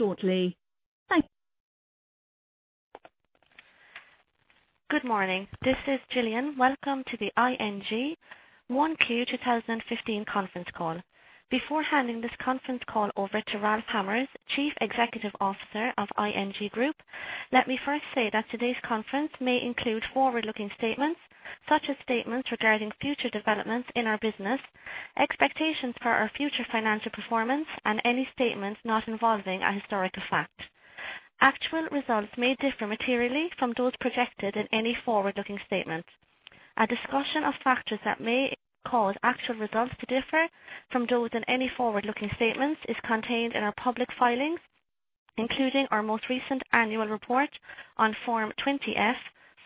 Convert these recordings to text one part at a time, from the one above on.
Shortly. Bye. Good morning. This is Gillian. Welcome to the ING 1Q 2015 conference call. Before handing this conference call over to Ralph Hamers, Chief Executive Officer of ING Groep, let me first say that today's conference may include forward-looking statements such as statements regarding future developments in our business, expectations for our future financial performance, any statements not involving a historical fact. Actual results may differ materially from those projected in any forward-looking statement. A discussion of factors that may cause actual results to differ from those in any forward-looking statements is contained in our public filings, including our most recent annual report on Form 20-F,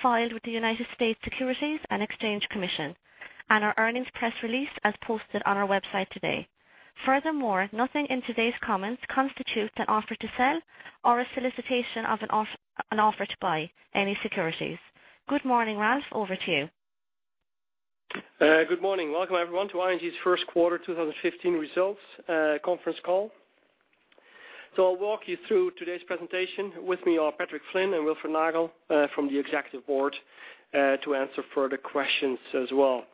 filed with the United States Securities and Exchange Commission, our earnings press release as posted on our website today. Furthermore, nothing in today's comments constitutes an offer to sell or a solicitation of an offer to buy any securities. Good morning, Ralph. Over to you. Good morning. Welcome, everyone, to ING's first quarter 2015 results conference call. I'll walk you through today's presentation. With me are Patrick Flynn and Wilfred Nagel from the Executive Board to answer further questions as well.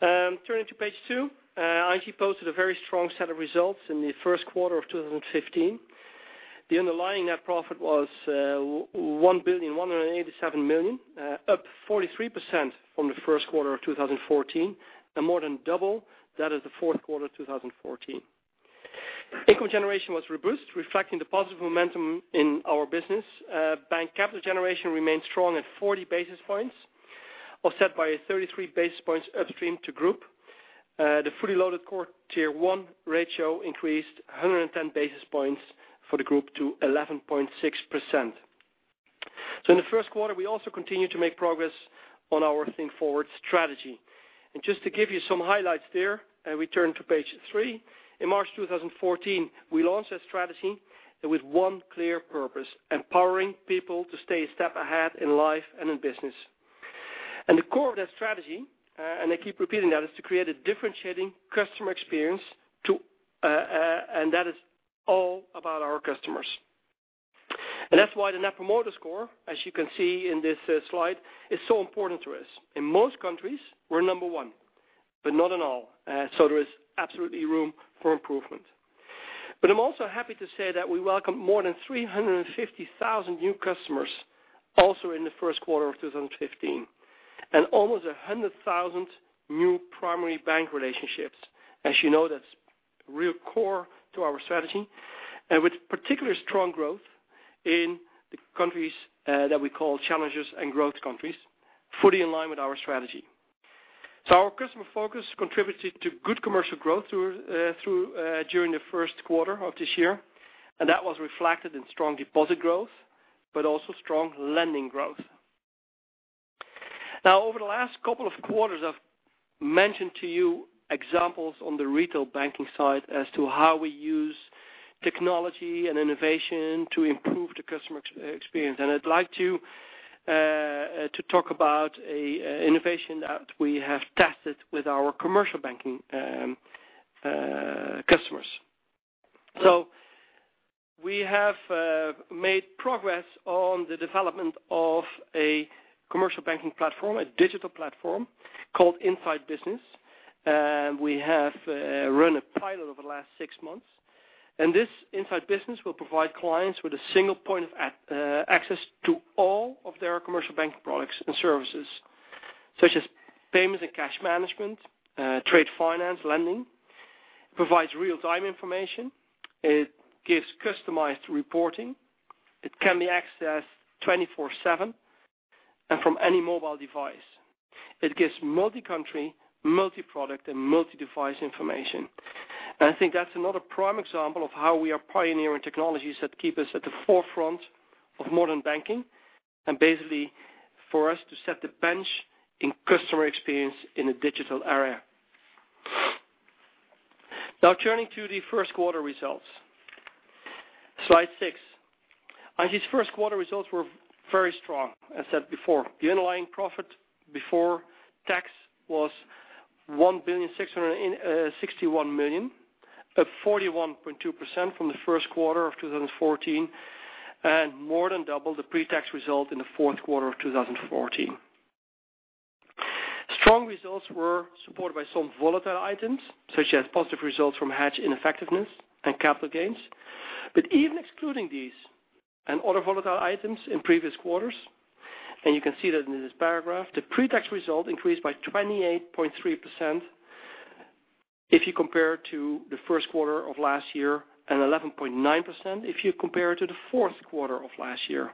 Turning to page two, ING posted a very strong set of results in the first quarter of 2015. The underlying net profit was €1.187 million, up 43% from the first quarter of 2014, and more than double that of the fourth quarter 2014. Income generation was robust, reflecting the positive momentum in our business. Bank capital generation remained strong at 40 basis points, offset by 33 basis points upstream to Groep. The fully loaded Core Tier 1 ratio increased 110 basis points for the Groep to 11.6%. In the first quarter, we also continued to make progress on our Think Forward strategy. Just to give you some highlights there, we turn to page three. In March 2014, we launched a strategy with one clear purpose: empowering people to stay a step ahead in life and in business. The core of that strategy, and I keep repeating that, is to create a differentiating customer experience, and that is all about our customers. That's why the Net Promoter Score, as you can see in this slide, is so important to us. In most countries, we're number one, but not in all. There is absolutely room for improvement. I'm also happy to say that we welcome more than 350,000 new customers also in the first quarter of 2015, and almost 100,000 new primary bank relationships. As you know, that's real core to our strategy, with particular strong growth in the countries that we call challenges and growth countries, fully in line with our strategy. Our customer focus contributed to good commercial growth during the first quarter of this year, and that was reflected in strong deposit growth, but also strong lending growth. Over the last couple of quarters, I've mentioned to you examples on the retail banking side as to how we use technology and innovation to improve the customer experience. I'd like to talk about an innovation that we have tested with our commercial banking customers. We have made progress on the development of a commercial banking platform, a digital platform called Insight Business. We have run a pilot over the last six months, this Insight Business will provide clients with a single point of access to all of their commercial banking products and services, such as payments and cash management, trade finance, lending. It provides real-time information. It gives customized reporting. It can be accessed 24/7 and from any mobile device. It gives multi-country, multi-product, and multi-device information. I think that's another prime example of how we are pioneering technologies that keep us at the forefront of modern banking and basically for us to set the bench in customer experience in a digital era. Turning to the first quarter results. Slide six. ING's first quarter results were very strong. I said before, the underlying profit before tax was 1.061 billion, up 41.2% from the first quarter of 2014, and more than double the pre-tax result in the fourth quarter of 2014. Strong results were supported by some volatile items, such as positive results from hedge ineffectiveness and capital gains. Even excluding these and other volatile items in previous quarters, and you can see that in this paragraph, the pre-tax result increased by 28.3% if you compare to the first quarter of last year and 11.9% if you compare to the fourth quarter of last year.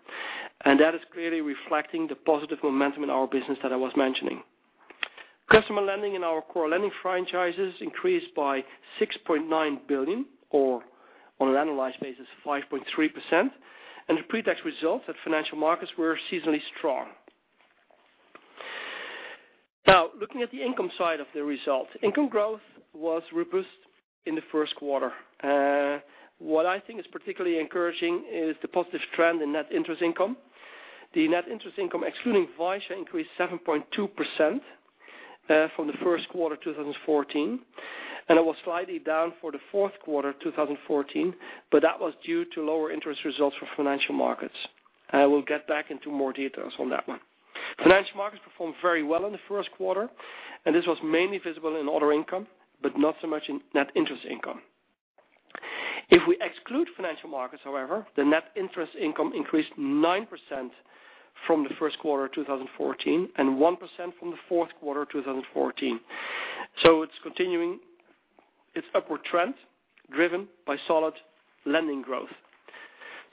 That is clearly reflecting the positive momentum in our business that I was mentioning. Customer lending in our core lending franchises increased by 6.9 billion or on an analyzed basis 5.3%, and the pre-tax results at Financial Markets were seasonally strong. Looking at the income side of the results. Income growth was robust in the first quarter. What I think is particularly encouraging is the positive trend in net interest income. The net interest income, excluding Vysya, increased 7.2% from the first quarter 2014, and it was slightly down for the fourth quarter 2014, but that was due to lower interest results from Financial Markets. I will get back into more details on that one. Financial Markets performed very well in the first quarter, and this was mainly visible in other income, but not so much in net interest income. If we exclude Financial Markets, however, the net interest income increased 9% from the first quarter 2014, and 1% from the fourth quarter 2014. It's continuing its upward trend, driven by solid lending growth.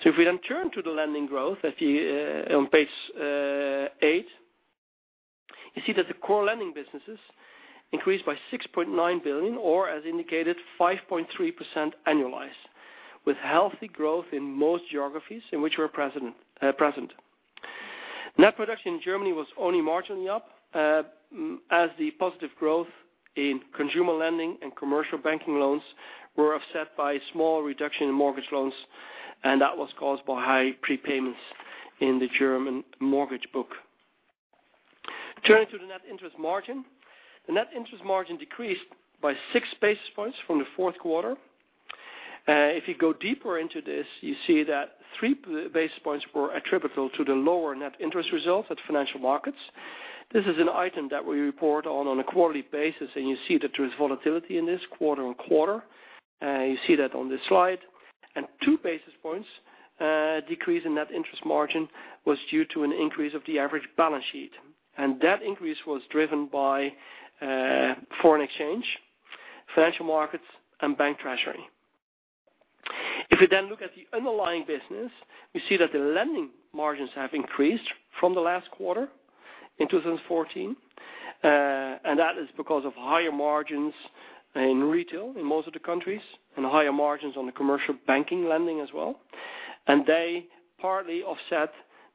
If we then turn to the lending growth on page eight, you see that the core lending businesses increased by 6.9 billion, or, as indicated, 5.3% annualized, with healthy growth in most geographies in which we're present. Net production in Germany was only marginally up, as the positive growth in consumer lending and commercial banking loans were offset by a small reduction in mortgage loans, and that was caused by high prepayments in the German mortgage book. Turning to the net interest margin. The net interest margin decreased by six basis points from the fourth quarter. If you go deeper into this, you see that three basis points were attributable to the lower net interest result at Financial Markets. This is an item that we report on a quarterly basis, and you see that there is volatility in this quarter on quarter. You see that on this slide. Two basis points decrease in net interest margin was due to an increase of the average balance sheet. That increase was driven by foreign exchange, Financial Markets, and bank treasury. If we then look at the underlying business, we see that the lending margins have increased from the last quarter in 2014. That is because of higher margins in retail in most of the countries and higher margins on the commercial banking lending as well. They partly offset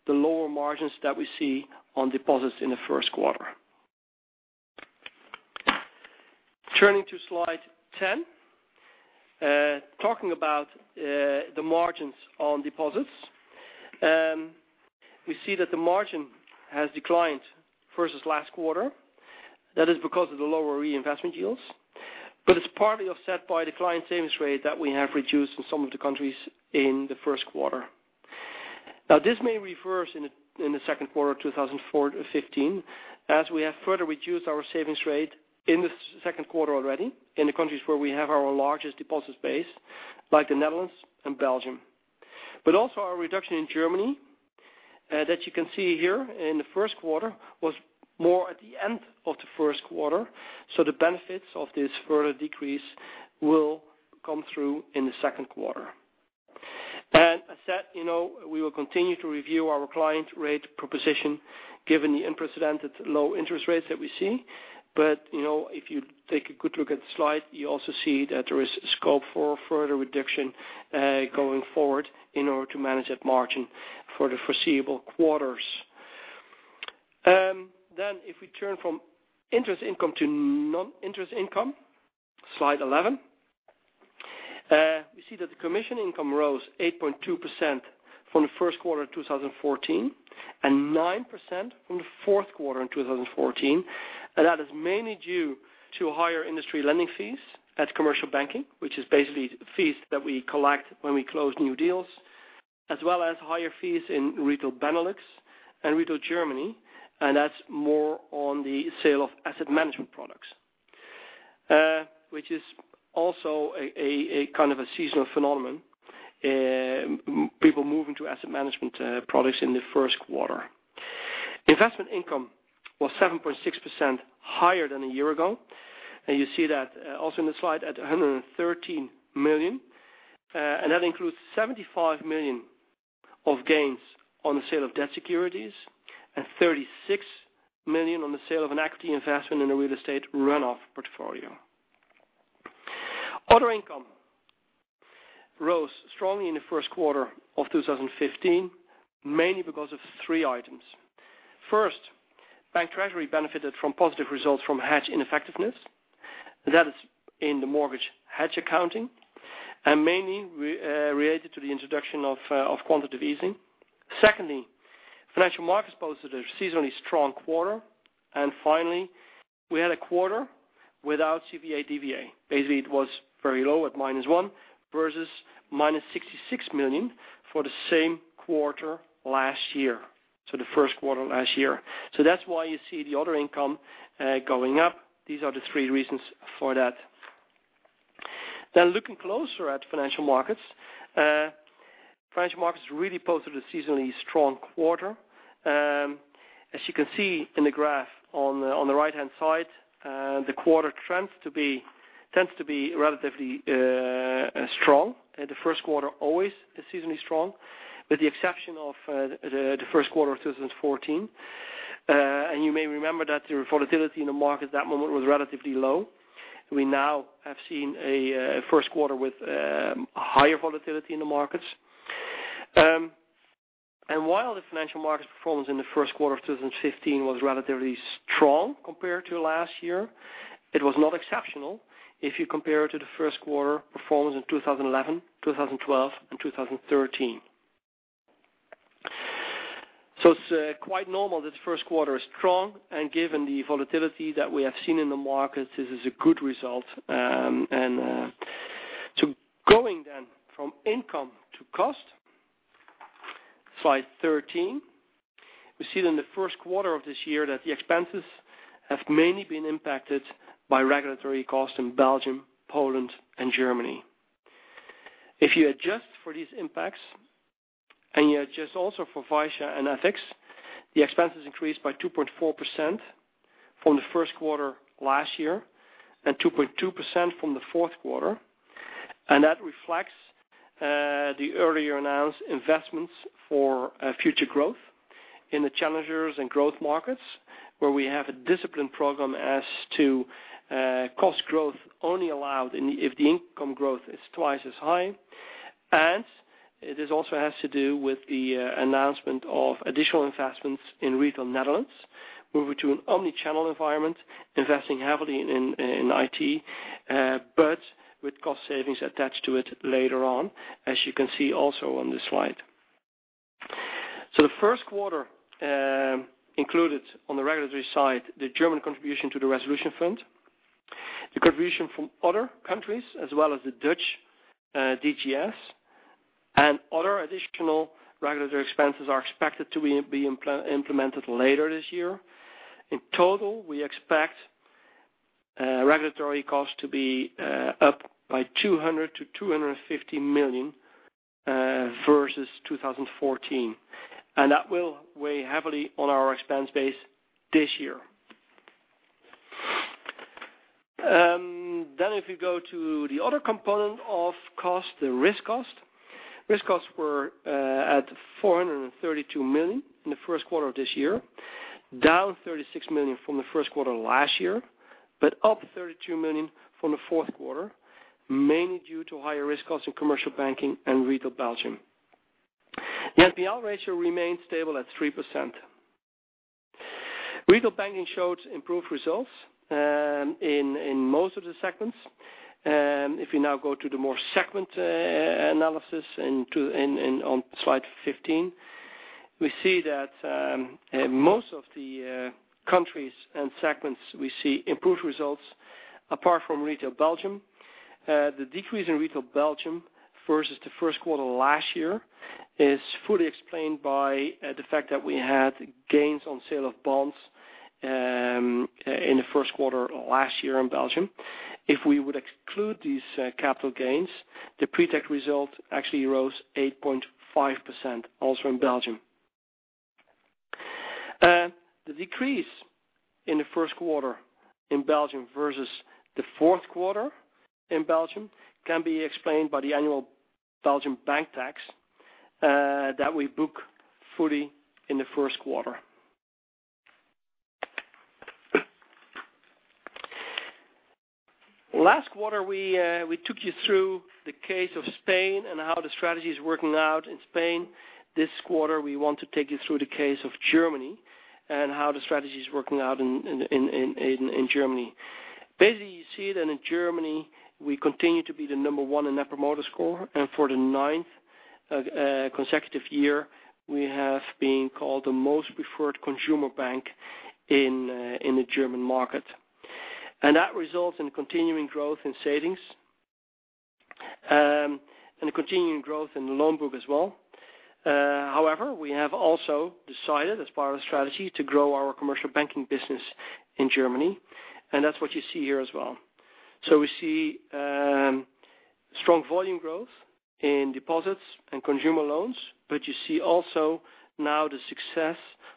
the lower margins that we see on deposits in the first quarter. Turning to slide 10. Talking about the margins on deposits, we see that the margin has declined versus last quarter. That is because of the lower reinvestment yields. It's partly offset by the client savings rate that we have reduced in some of the countries in the first quarter. Now, this may reverse in the second quarter of 2015, as we have further reduced our savings rate in the second quarter already in the countries where we have our largest deposit space, like the Netherlands and Belgium. Also our reduction in Germany, that you can see here in the first quarter, was more at the end of the first quarter, so the benefits of this further decrease will come through in the second quarter. As said, we will continue to review our client rate proposition given the unprecedented low interest rates that we see. If you take a good look at the slide, you also see that there is scope for further reduction going forward in order to manage that margin for the foreseeable quarters. If we turn from interest income to non-interest income, slide 11. We see that the commission income rose 8.2% from the first quarter of 2014 and 9% from the fourth quarter in 2014. That is mainly due to higher industry lending fees at commercial banking, which is basically fees that we collect when we close new deals, as well as higher fees in Retail Benelux and Retail Germany. That's more on the sale of asset management products, which is also a kind of a seasonal phenomenon. People move into asset management products in the first quarter. Investment income was 7.6% higher than a year ago. You see that also in the slide at 113 million. That includes 75 million of gains on the sale of debt securities and 36 million on the sale of an equity investment in a real estate runoff portfolio. Other income rose strongly in the first quarter of 2015, mainly because of three items. First, bank treasury benefited from positive results from hedge ineffectiveness. That is in the mortgage hedge accounting and mainly related to the introduction of quantitative easing. Secondly, Financial Markets posted a seasonally strong quarter. Finally, we had a quarter without CVA/DVA. Basically, it was very low at -1 versus -66 million for the same quarter last year, so the first quarter last year. That's why you see the other income going up. These are the three reasons for that. Looking closer at Financial Markets. Financial Markets really posted a seasonally strong quarter. As you can see in the graph on the right-hand side, the quarter tends to be relatively strong. The first quarter always is seasonally strong, with the exception of the first quarter of 2014. You may remember that the volatility in the market at that moment was relatively low. We now have seen a first quarter with higher volatility in the markets. While the Financial Markets performance in the first quarter of 2015 was relatively strong compared to last year, it was not exceptional if you compare it to the first quarter performance in 2011, 2012, and 2013. It's quite normal that the first quarter is strong, and given the volatility that we have seen in the markets, this is a good result. Going then from income to cost, slide 13. We see that in the first quarter of this year that the expenses have mainly been impacted by regulatory costs in Belgium, Poland, and Germany. If you adjust for these impacts, and you adjust also for Vysya and Ethniki, the expenses increased by 2.4% from the first quarter last year and 2.2% from the fourth quarter. That reflects the earlier announced investments for future growth in the challengers and growth markets, where we have a disciplined program as to cost growth only allowed if the income growth is twice as high. This also has to do with the announcement of additional investments in retail Netherlands, moving to an omni-channel environment, investing heavily in IT, but with cost savings attached to it later on, as you can see also on this slide. The first quarter included, on the regulatory side, the German contribution to the Resolution Fund, the contribution from other countries, as well as the Dutch DGS, and other additional regulatory expenses are expected to be implemented later this year. In total, we expect regulatory costs to be up by 200 million-250 million versus 2014. That will weigh heavily on our expense base this year. If you go to the other component of cost, the risk cost. Risk costs were at 432 million in the first quarter of this year, down 36 million from the first quarter last year, but up 32 million from the fourth quarter, mainly due to higher risk costs in commercial banking and retail Belgium. The NPL ratio remained stable at 3%. Retail banking showed improved results in most of the segments. If we now go to the segment analysis on slide 15, we see that most of the countries and segments, we see improved results apart from retail Belgium. The decrease in retail Belgium versus the first quarter last year is fully explained by the fact that we had gains on sale of bonds in the first quarter last year in Belgium. If we would exclude these capital gains, the pre-tax result actually rose 8.5%, also in Belgium. The decrease in the first quarter in Belgium versus the fourth quarter in Belgium can be explained by the annual Belgium bank tax that we book fully in the first quarter. Last quarter, we took you through the case of Spain and how the strategy is working out in Spain. This quarter, we want to take you through the case of Germany and how the strategy is working out in Germany. Basically, you see that in Germany, we continue to be the number one in Net Promoter Score. For the ninth consecutive year, we have been called the most preferred consumer bank in the German market. That results in continuing growth in savings and a continuing growth in the loan book as well. However, we have also decided, as part of the strategy, to grow our commercial banking business in Germany, and that's what you see here as well. We see strong volume growth in deposits and consumer loans, but you see also now the success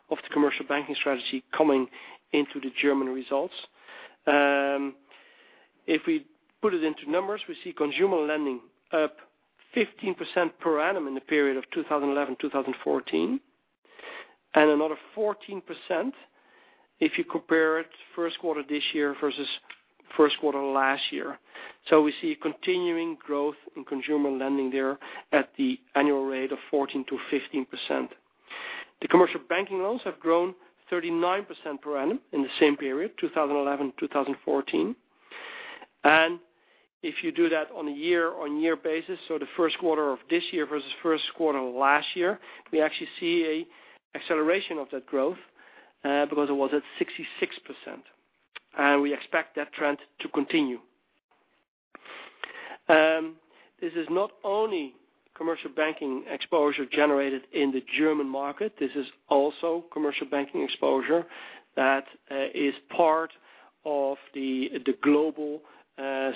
of the commercial banking strategy coming into the German results. If we put it into numbers, we see consumer lending up 15% per annum in the period of 2011, 2014, and another 14% if you compare it first quarter this year versus first quarter last year. We see continuing growth in consumer lending there at the annual rate of 14%-15%. The commercial banking loans have grown 39% per annum in the same period, 2011, 2014. If you do that on a year-on-year basis, so the first quarter of this year versus first quarter last year, we actually see an acceleration of that growth because it was at 66%. We expect that trend to continue. This is not only commercial banking exposure generated in the German market, this is also commercial banking exposure that is part of the global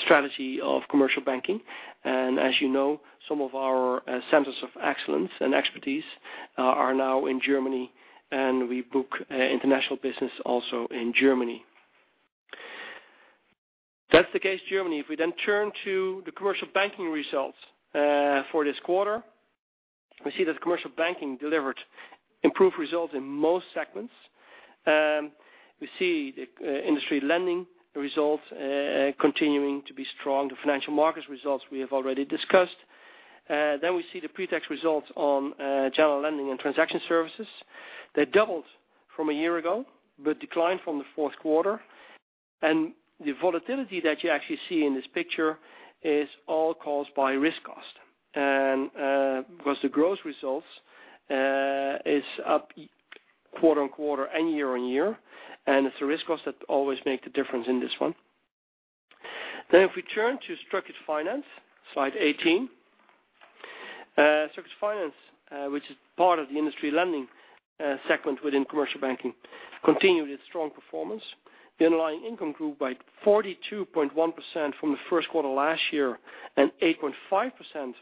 strategy of commercial banking. As you know, some of our centers of excellence and expertise are now in Germany, and we book international business also in Germany. That's the case Germany. If we turn to the commercial banking results for this quarter, we see that commercial banking delivered improved results in most segments. We see the industry lending results continuing to be strong. The Financial Markets results we have already discussed. We see the pre-tax results on general lending and transaction services. They doubled from a year ago but declined from the fourth quarter. The volatility that you actually see in this picture is all caused by risk cost. Because the growth results is up quarter-on-quarter and year-on-year, and it's the risk cost that always make the difference in this one. If we turn to structured finance, slide 18. Structured finance, which is part of the industry lending segment within commercial banking, continued its strong performance. The underlying income grew by 42.1% from the first quarter last year and 8.5%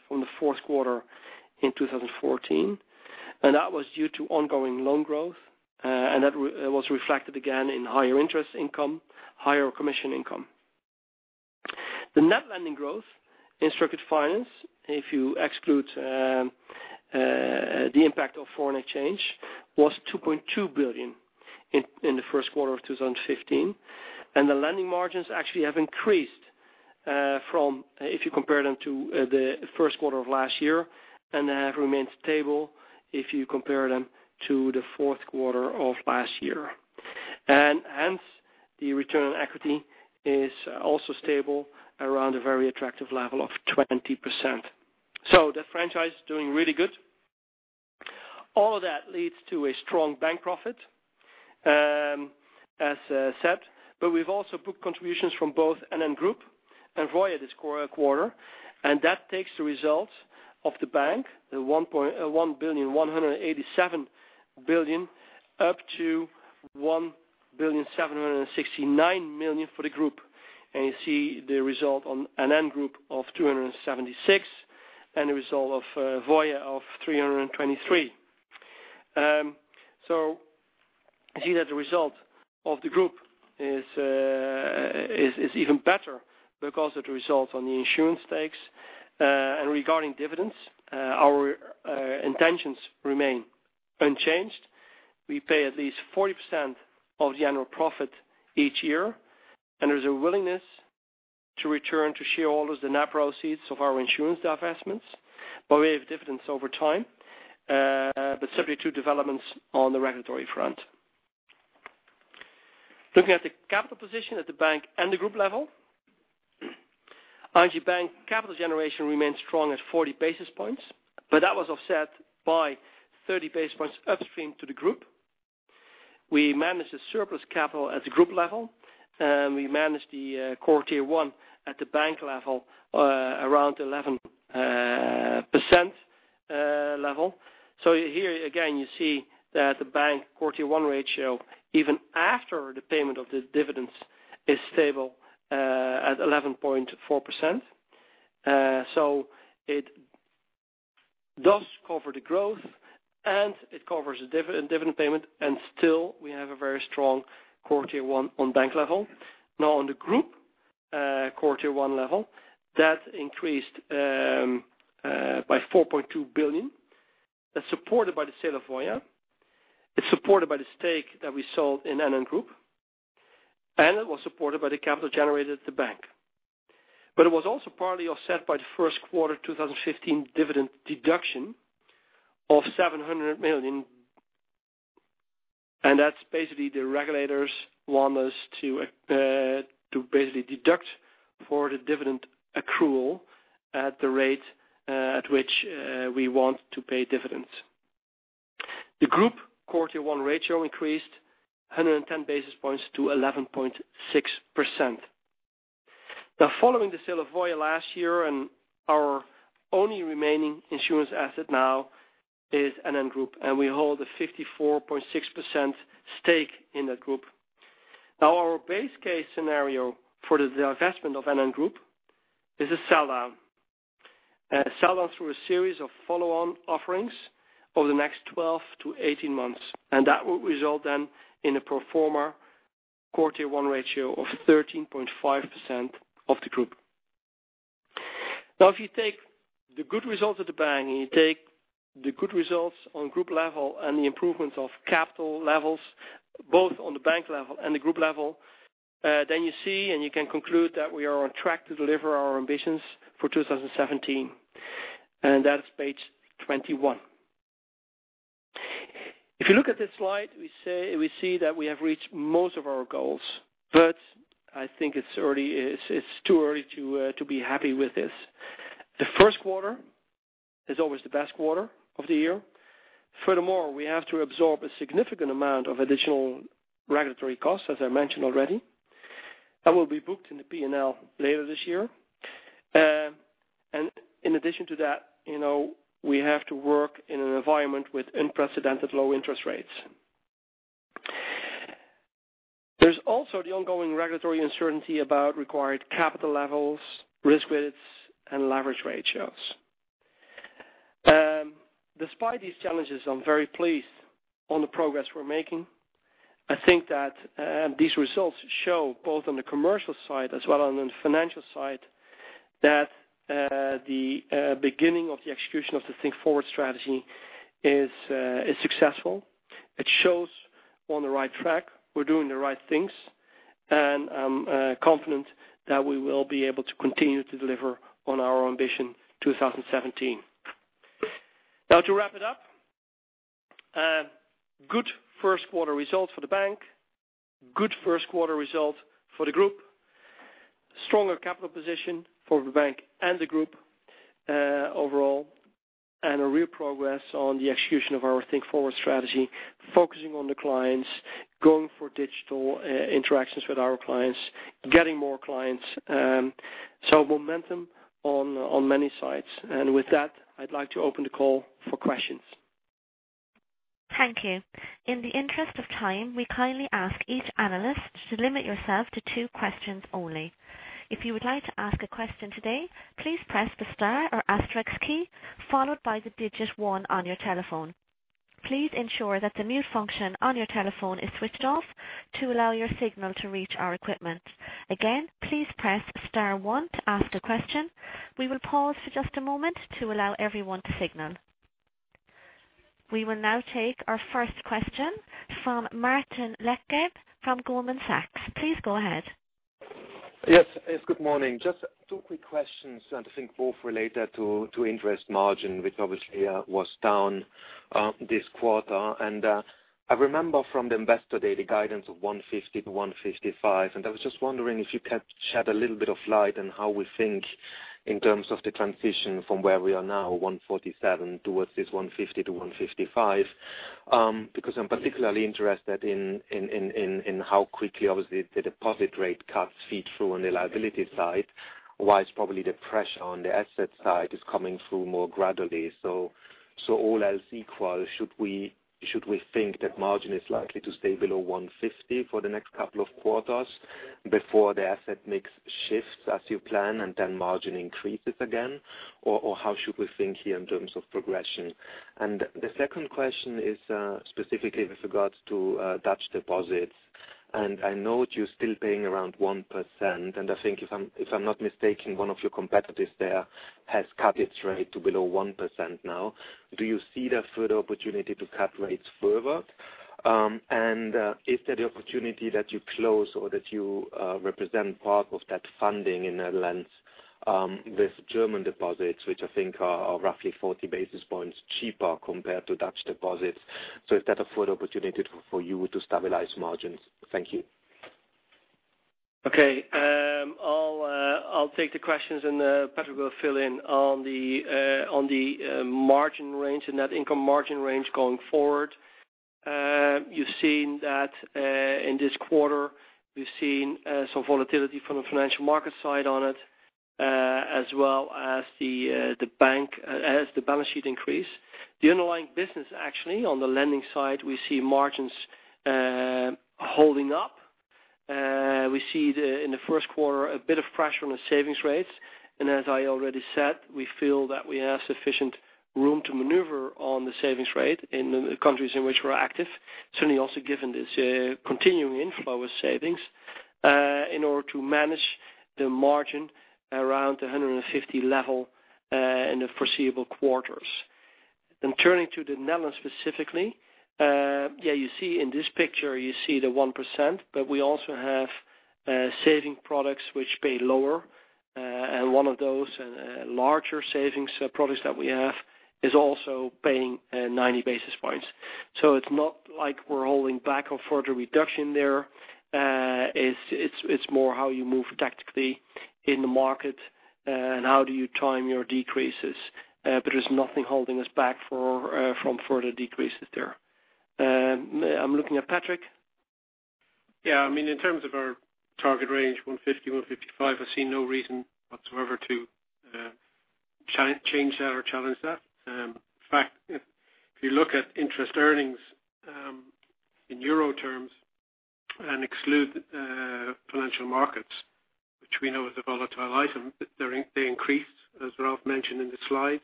from the fourth quarter in 2014. That was due to ongoing loan growth, and that was reflected again in higher interest income, higher commission income. The net lending growth in structured finance, if you exclude the impact of foreign exchange, was 2.2 billion in the first quarter of 2015, the lending margins actually have increased from, if you compare them to the first quarter of last year, and have remained stable if you compare them to the fourth quarter of last year. Hence, the return on equity is also stable around a very attractive level of 20%. That franchise is doing really good. All of that leads to a strong ING Bank profit, as said, we've also booked contributions from both NN Group and Voya this quarter, that takes the results of the bank, the 1,187 billion up to 1.769 billion for the group. You see the result on NN Group of 276 and a result of Voya of 323. You see that the result of the group is even better because of the results on the insurance stakes. Regarding dividends, our intentions remain unchanged. We pay at least 40% of the annual profit each year, there's a willingness to return to shareholders the net proceeds of our insurance divestments by way of dividends over time, subject to developments on the regulatory front. Looking at the capital position at the bank and the group level. ING Bank capital generation remains strong at 40 basis points, that was offset by 30 basis points upstream to the group. We managed the surplus capital at the group level, we managed the Core Tier 1 at the bank level, around 11% level. Here again, you see that the bank Core Tier 1 ratio, even after the payment of the dividends, is stable at 11.4%. It does cover the growth, it covers the dividend payment, still we have a very strong Core Tier 1 on bank level. On the group Core Tier 1 level, that increased by 4.2 billion. That's supported by the sale of Voya. It's supported by the stake that we sold in NN Group, it was supported by the capital generated at the bank. It was also partly offset by the first quarter 2015 dividend deduction of 700 million. That's basically the regulators want us to basically deduct for the dividend accrual at the rate at which we want to pay dividends. The group Core Tier 1 ratio increased 110 basis points to 11.6%. Following the sale of Voya last year our only remaining insurance asset is NN Group, we hold a 54.6% stake in that group. Our base case scenario for the divestment of NN Group is a sell-down. A sell-down through a series of follow-on offerings over the next 12 to 18 months, that will result in a pro forma Core Tier 1 ratio of 13.5% of the group. If you take the good results of the bank you take the good results on group level the improvement of capital levels, both on the bank level the group level, you see you can conclude that we are on track to deliver our ambitions for 2017. That is page 21. If you look at this slide, we see that we have reached most of our goals, I think it's too early to be happy with this. The first quarter is always the best quarter of the year. Furthermore, we have to absorb a significant amount of additional regulatory costs, as I mentioned already, that will be booked in the P&L later this year. In addition to that, we have to work in an environment with unprecedented low interest rates. There's also the ongoing regulatory uncertainty about required capital levels, risk weights, and leverage ratios. Despite these challenges, I'm very pleased on the progress we're making. I think that these results show both on the commercial side as well on the financial side, that the beginning of the execution of the Think Forward strategy is successful. It shows we're on the right track, we're doing the right things, and I'm confident that we will be able to continue to deliver on our ambition 2017. To wrap it up, good first quarter results for the bank, good first quarter result for the group. Stronger capital position for the bank and the group overall, a real progress on the execution of our Think Forward strategy, focusing on the clients, going for digital interactions with our clients, getting more clients. Momentum on many sides. With that, I'd like to open the call for questions. Thank you. In the interest of time, we kindly ask each analyst to limit yourself to two questions only. If you would like to ask a question today, please press the star or asterisk key followed by the digit 1 on your telephone. Please ensure that the mute function on your telephone is switched off to allow your signal to reach our equipment. Again, please press star one to ask a question. We will pause for just a moment to allow everyone to signal. We will now take our first question from Martin Leitgeb from Goldman Sachs. Please go ahead. Yes. Good morning. Just two quick questions, I think both related to interest margin, which obviously was down this quarter. I remember from the investor day the guidance of 150-155. I was just wondering if you could shed a little bit of light on how we think in terms of the transition from where we are now, 147, towards this 150-155. I'm particularly interested in how quickly, obviously, the deposit rate cuts feed through on the liability side, whilst probably the pressure on the asset side is coming through more gradually. All else equal, should we think that margin is likely to stay below 150 for the next couple of quarters before the asset mix shifts as you plan and then margin increases again? Or how should we think here in terms of progression? The second question is specifically with regards to Dutch deposits. I know you're still paying around 1%, and I think if I'm not mistaken, one of your competitors there has cut its rate to below 1% now. Do you see the further opportunity to cut rates further? Is there the opportunity that you close or that you represent part of that funding in Netherlands with German deposits, which I think are roughly 40 basis points cheaper compared to Dutch deposits. Is that a further opportunity for you to stabilize margins? Thank you. Okay. I'll take the questions, Patrick will fill in on the margin range and net income margin range going forward. You've seen that in this quarter, we've seen some volatility from the Financial Markets side on it as well as the balance sheet increase. The underlying business actually on the lending side, we see margins holding up. We see in the first quarter a bit of pressure on the savings rates. As I already said, we feel that we have sufficient room to maneuver on the savings rate in the countries in which we're active. Certainly also given this continuing inflow of savings in order to manage the margin around the 150 level in the foreseeable quarters. Turning to the Netherlands specifically, you see in this picture, you see the 1%, but we also have saving products which pay lower. One of those larger savings products that we have is also paying 90 basis points. It's not like we're holding back on further reduction there. It's more how you move tactically in the market and how do you time your decreases. There's nothing holding us back from further decreases there. I'm looking at Patrick. In terms of our target range, 150-155, I see no reason whatsoever to change that or challenge that. In fact, if you look at interest earnings in EUR terms and exclude Financial Markets, which we know is a volatile item, they increased, as Ralph mentioned in the slide.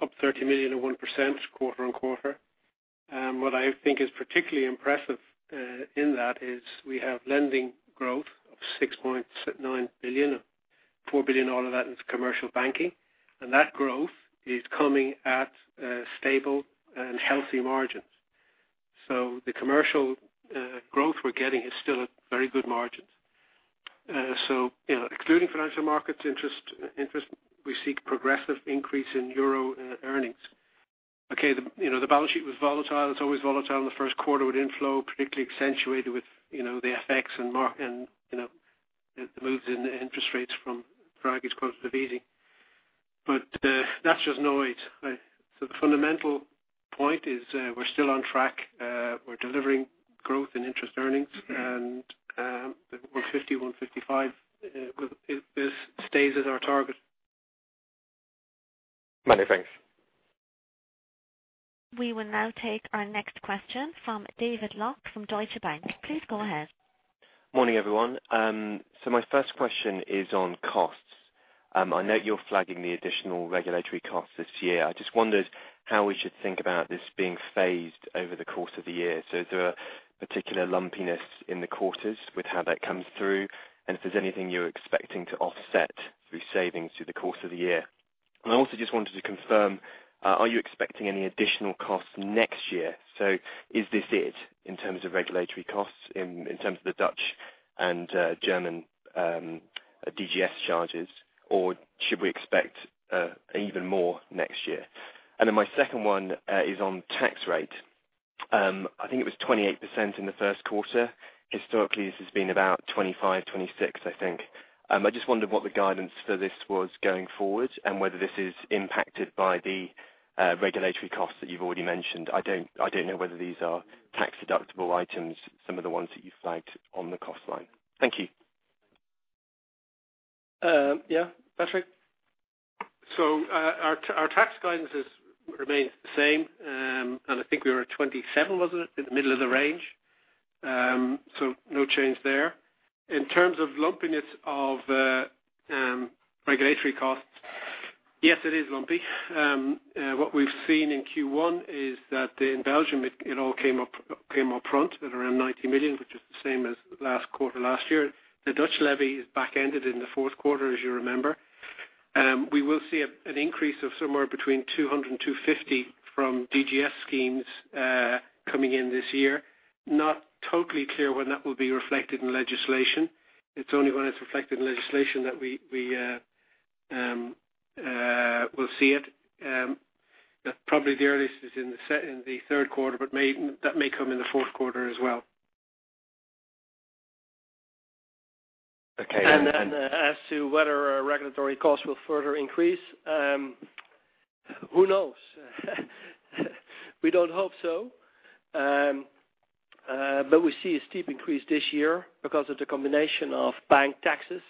Up 30 million or 1% quarter-on-quarter. What I think is particularly impressive in that is we have lending growth of 6.9 billion. 4 billion all of that is commercial banking. That growth is coming at stable and healthy margins. Excluding Financial Markets interest, we seek progressive increase in EUR earnings. Okay. The balance sheet was volatile. It's always volatile in the first quarter with inflow particularly accentuated with the FX and the moves in the interest rates from various quantitative easing. That's just noise, right? The fundamental point is we're still on track. We're delivering growth in interest earnings and the 150, 155 stays as our target. Many thanks. We will now take our next question from David Lough from Deutsche Bank. Please go ahead. Morning, everyone. My first question is on costs. I know you're flagging the additional regulatory costs this year. I just wondered how we should think about this being phased over the course of the year. Is there a particular lumpiness in the quarters with how that comes through? If there's anything you're expecting to offset through savings through the course of the year. I also just wanted to confirm, are you expecting any additional costs next year? Is this it in terms of regulatory costs, in terms of the Dutch and German DGS charges, or should we expect even more next year? My second one is on tax rate. I think it was 28% in the first quarter. Historically, this has been about 25%-26%, I think. I just wondered what the guidance for this was going forward, and whether this is impacted by the regulatory costs that you've already mentioned. I don't know whether these are tax-deductible items, some of the ones that you flagged on the cost line. Thank you. Yeah. Patrick? Our tax guidance remains the same. I think we were at 27%, was it? In the middle of the range. No change there. In terms of lumpiness of regulatory costs, yes, it is lumpy. What we've seen in Q1 is that in Belgium, it all came up front at around 90 million, which is the same as last quarter, last year. The Dutch levy is back ended in the fourth quarter, as you remember. We will see an increase of somewhere between 200 and 250 from DGS schemes, coming in this year. Not totally clear when that will be reflected in legislation. It's only when it's reflected in legislation that we'll see it. Probably the earliest is in the third quarter, but that may come in the fourth quarter as well. Okay. As to whether our regulatory costs will further increase, who knows? We don't hope so. We see a steep increase this year because of the combination of bank taxes,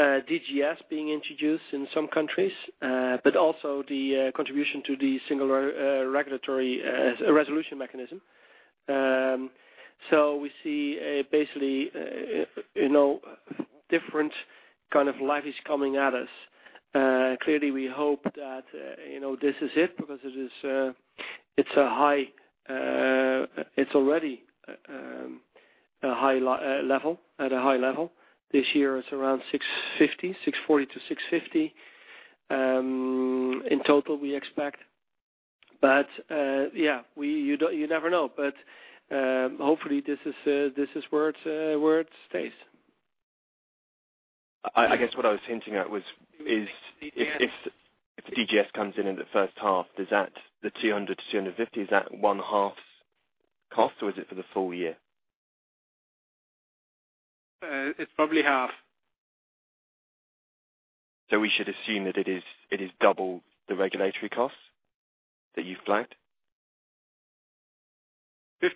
DGS being introduced in some countries, but also the contribution to the Single Resolution Fund as a resolution mechanism. We see basically, different kind of levies is coming at us. Clearly, we hope that this is it because it's already at a high level. This year it's around 640-650, in total, we expect. You never know. Hopefully this is where it stays. I guess what I was hinting at is, if DGS comes in in the first half, the 200-250, is that one half cost, or is it for the full year? It's probably half. We should assume that it is double the regulatory costs that you've flagged? If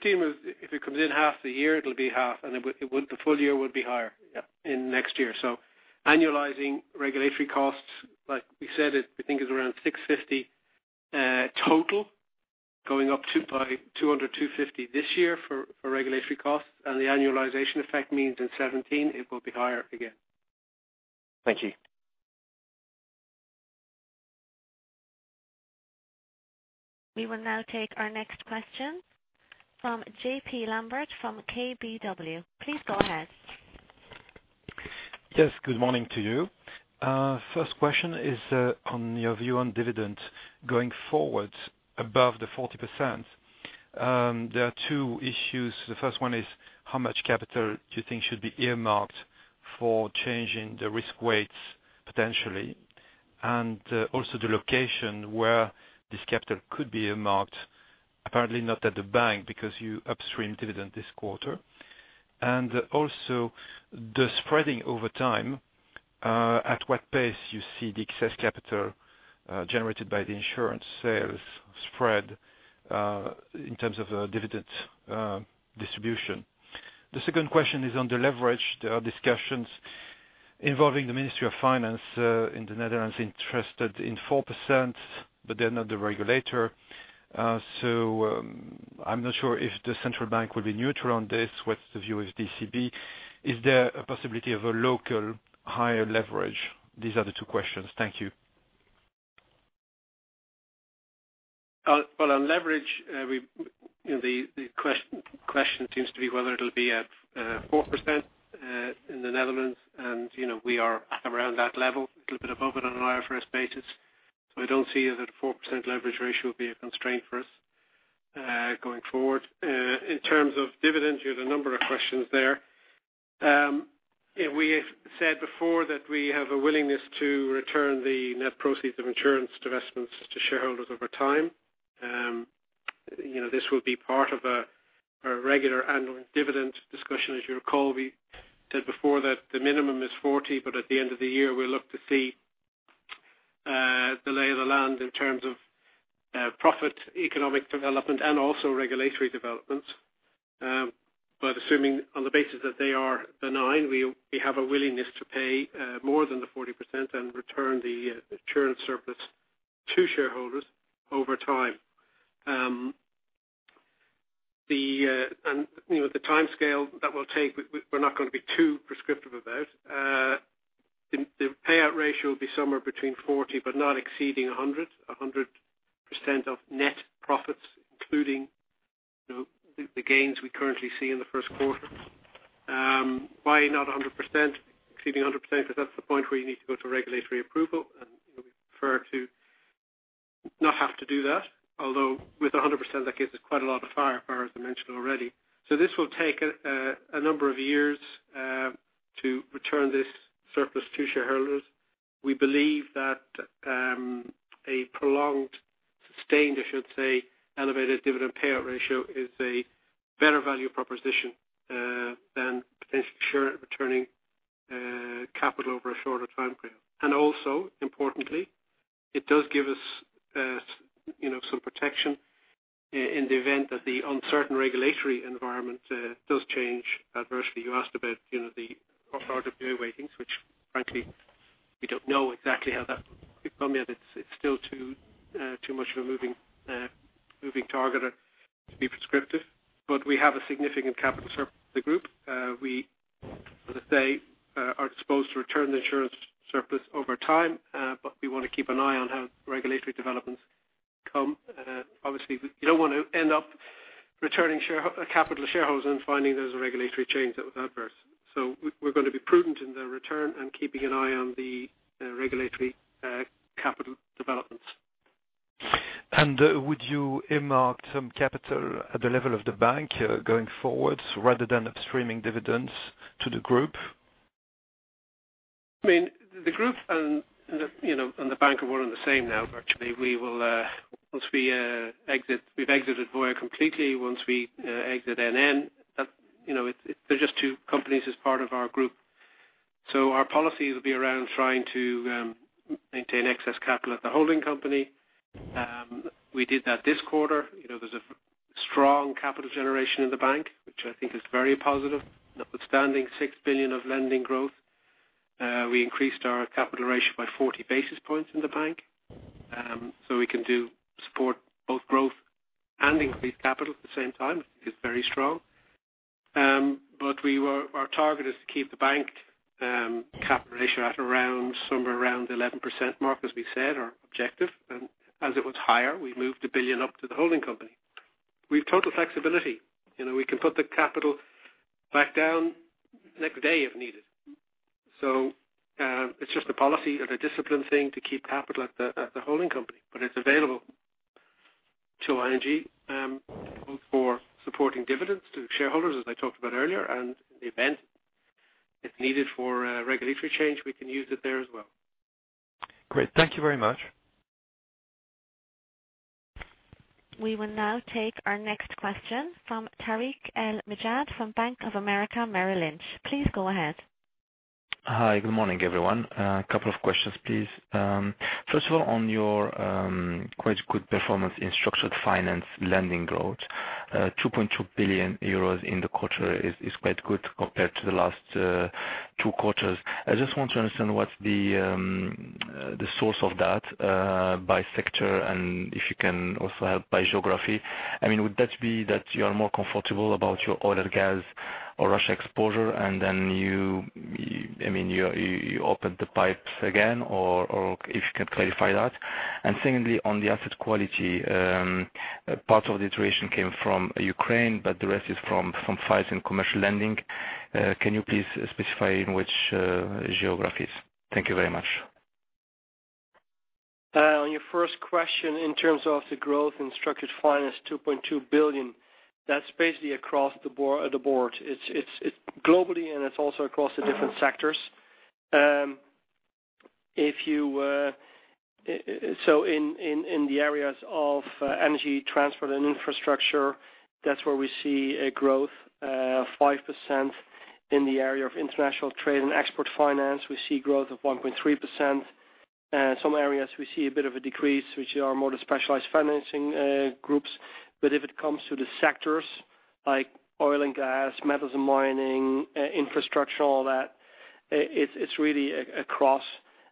it comes in half the year, it'll be half, and the full year will be higher in next year. Annualizing regulatory costs, like we said, we think is around 650 total, going up by 200-250 this year for regulatory costs. The annualization effect means in 2017 it will be higher again. Thank you. We will now take our next question from J.P. Lambert from KBW. Please go ahead. Yes, good morning to you. First question is on your view on dividend going forward above the 40%. There are two issues. The first one is how much capital do you think should be earmarked for changing the risk weights potentially, and also the location where this capital could be earmarked. Apparently not at the bank because you upstreamed dividend this quarter. And also the spreading over time, at what pace you see the excess capital, generated by the insurance sales spread, in terms of a dividend distribution. The second question is on the leverage. There are discussions involving the Ministry of Finance, in the Netherlands, interested in 4%, but they're not the regulator. I'm not sure if the central bank will be neutral on this. What's the view of DNB? Is there a possibility of a local higher leverage? These are the two questions. Thank you. Well, on leverage, the question seems to be whether it'll be at 4% in the Netherlands. We are at around that level, a little bit above it on an IFRS basis. I don't see that a 4% leverage ratio would be a constraint for us, going forward. In terms of dividends, you had a number of questions there. We have said before that we have a willingness to return the net proceeds of insurance divestments to shareholders over time. This will be part of our regular annual dividend discussion. As you recall, we said before that the minimum is 40%, but at the end of the year, we'll look to see the lay of the land in terms of profit, economic development, and also regulatory developments. Assuming on the basis that they are benign, we have a willingness to pay more than the 40% and return the insurance surplus to shareholders over time. The timescale that we'll take, we're not going to be too prescriptive about. The payout ratio will be somewhere between 40% but not exceeding 100% of net profits, including the gains we currently see in the first quarter. Why not exceeding 100%? Because that's the point where you need to go to regulatory approval, and we prefer to Not have to do that, although with 100%, that gives us quite a lot of firepower, as I mentioned already. This will take a number of years to return this surplus to shareholders. We believe that a prolonged, sustained, I should say, elevated dividend payout ratio is a better value proposition than potentially returning capital over a shorter time frame. Importantly, it does give us some protection in the event that the uncertain regulatory environment does change adversely. You asked about the RWA weightings, which frankly, we don't know exactly how that will keep on yet. It's still too much of a moving target to be prescriptive. We have a significant capital surplus the group. We, as I say, are supposed to return the insurance surplus over time, we want to keep an eye on how regulatory developments come. Obviously, you don't want to end up returning capital to shareholders and finding there's a regulatory change that was adverse. We're going to be prudent in the return and keeping an eye on the regulatory capital developments. Would you earmark some capital at the level of the bank going forward rather than streaming dividends to the group? The group and the bank are one and the same now, virtually. Once we've exited Voya completely, once we exit NN, they're just two companies as part of our group. Our policy will be around trying to maintain excess capital at the holding company. We did that this quarter. There's a strong capital generation in the bank, which I think is very positive. Notwithstanding 6 billion of lending growth, we increased our capital ratio by 40 basis points in the bank. We can support both growth and increase capital at the same time, is very strong. Our target is to keep the bank capital ratio at somewhere around 11% mark, as we said, our objective. As it was higher, we moved 1 billion up to the holding company. We have total flexibility. We can put the capital back down the next day if needed. It's just a policy and a discipline thing to keep capital at the holding company. It's available to ING, both for supporting dividends to shareholders, as I talked about earlier, and in the event it's needed for regulatory change, we can use it there as well. Great. Thank you very much. We will now take our next question from Tarik El Mejjad from Bank of America Merrill Lynch. Please go ahead. Hi. Good morning, everyone. A couple of questions, please. First of all, on your quite good performance in structured finance lending growth, 2.2 billion euros in the quarter is quite good compared to the last two quarters. I just want to understand what's the source of that by sector, and if you can also help by geography. Would that be that you are more comfortable about your oil and gas or Russia exposure, and then you opened the pipes again, or if you can clarify that? Secondly, on the asset quality, part of the deterioration came from Ukraine, but the rest is from faults in commercial lending. Can you please specify in which geographies? Thank you very much. On your first question, in terms of the growth in structured finance, 2.2 billion, that's basically across the board. It's globally, and it's also across the different sectors. In the areas of energy transfer and infrastructure, that's where we see a growth of 5%. In the area of international trade and export finance, we see growth of 1.3%. Some areas we see a bit of a decrease, which are more the specialized financing groups. If it comes to the sectors like oil and gas, metals and mining, infrastructure, all that, it's really across.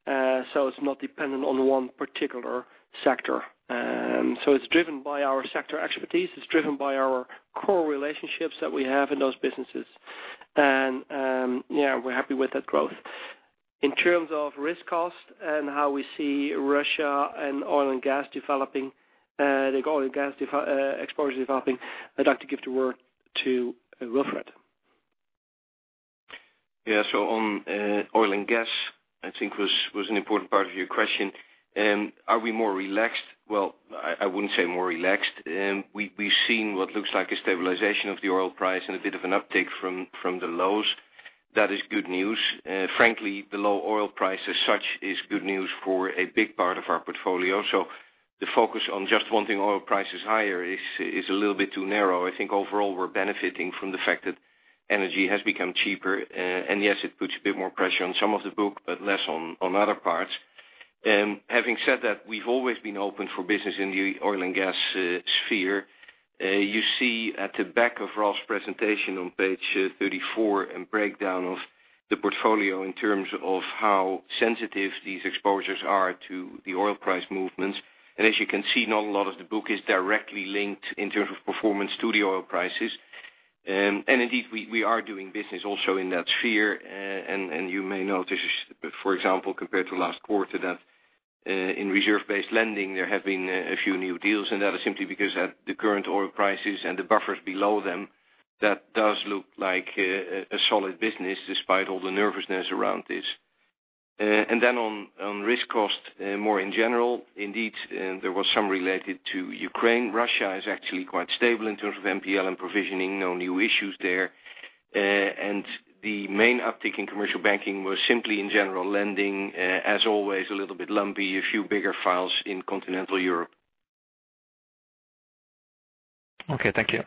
It's not dependent on one particular sector. It's driven by our sector expertise. It's driven by our core relationships that we have in those businesses. Yeah, we're happy with that growth. In terms of risk cost and how we see Russia and oil and gas exposure developing, I'd like to give the word to Wilfred. On oil and gas, I think was an important part of your question. Are we more relaxed? Well, I wouldn't say more relaxed. We've seen what looks like a stabilization of the oil price and a bit of an uptick from the lows. That is good news. Frankly, the low oil price as such is good news for a big part of our portfolio. The focus on just wanting oil prices higher is a little bit too narrow. I think overall, we're benefiting from the fact that energy has become cheaper. Yes, it puts a bit more pressure on some of the book, but less on other parts. Having said that, we've always been open for business in the oil and gas sphere. You see at the back of Ralph Hamers' presentation on page 34, a breakdown of the portfolio in terms of how sensitive these exposures are to the oil price movements. As you can see, not a lot of the book is directly linked in terms of performance to the oil prices. Indeed, we are doing business also in that sphere. You may notice, for example, compared to last quarter, that in reserve-based lending, there have been a few new deals, and that is simply because at the current oil prices and the buffers below them, that does look like a solid business, despite all the nervousness around this. Then on risk cost more in general, indeed, there was some related to Ukraine. Russia is actually quite stable in terms of NPL and provisioning. No new issues there. The main uptick in commercial banking was simply in general lending, as always, a little bit lumpy, a few bigger files in Continental Europe. Okay. Thank you.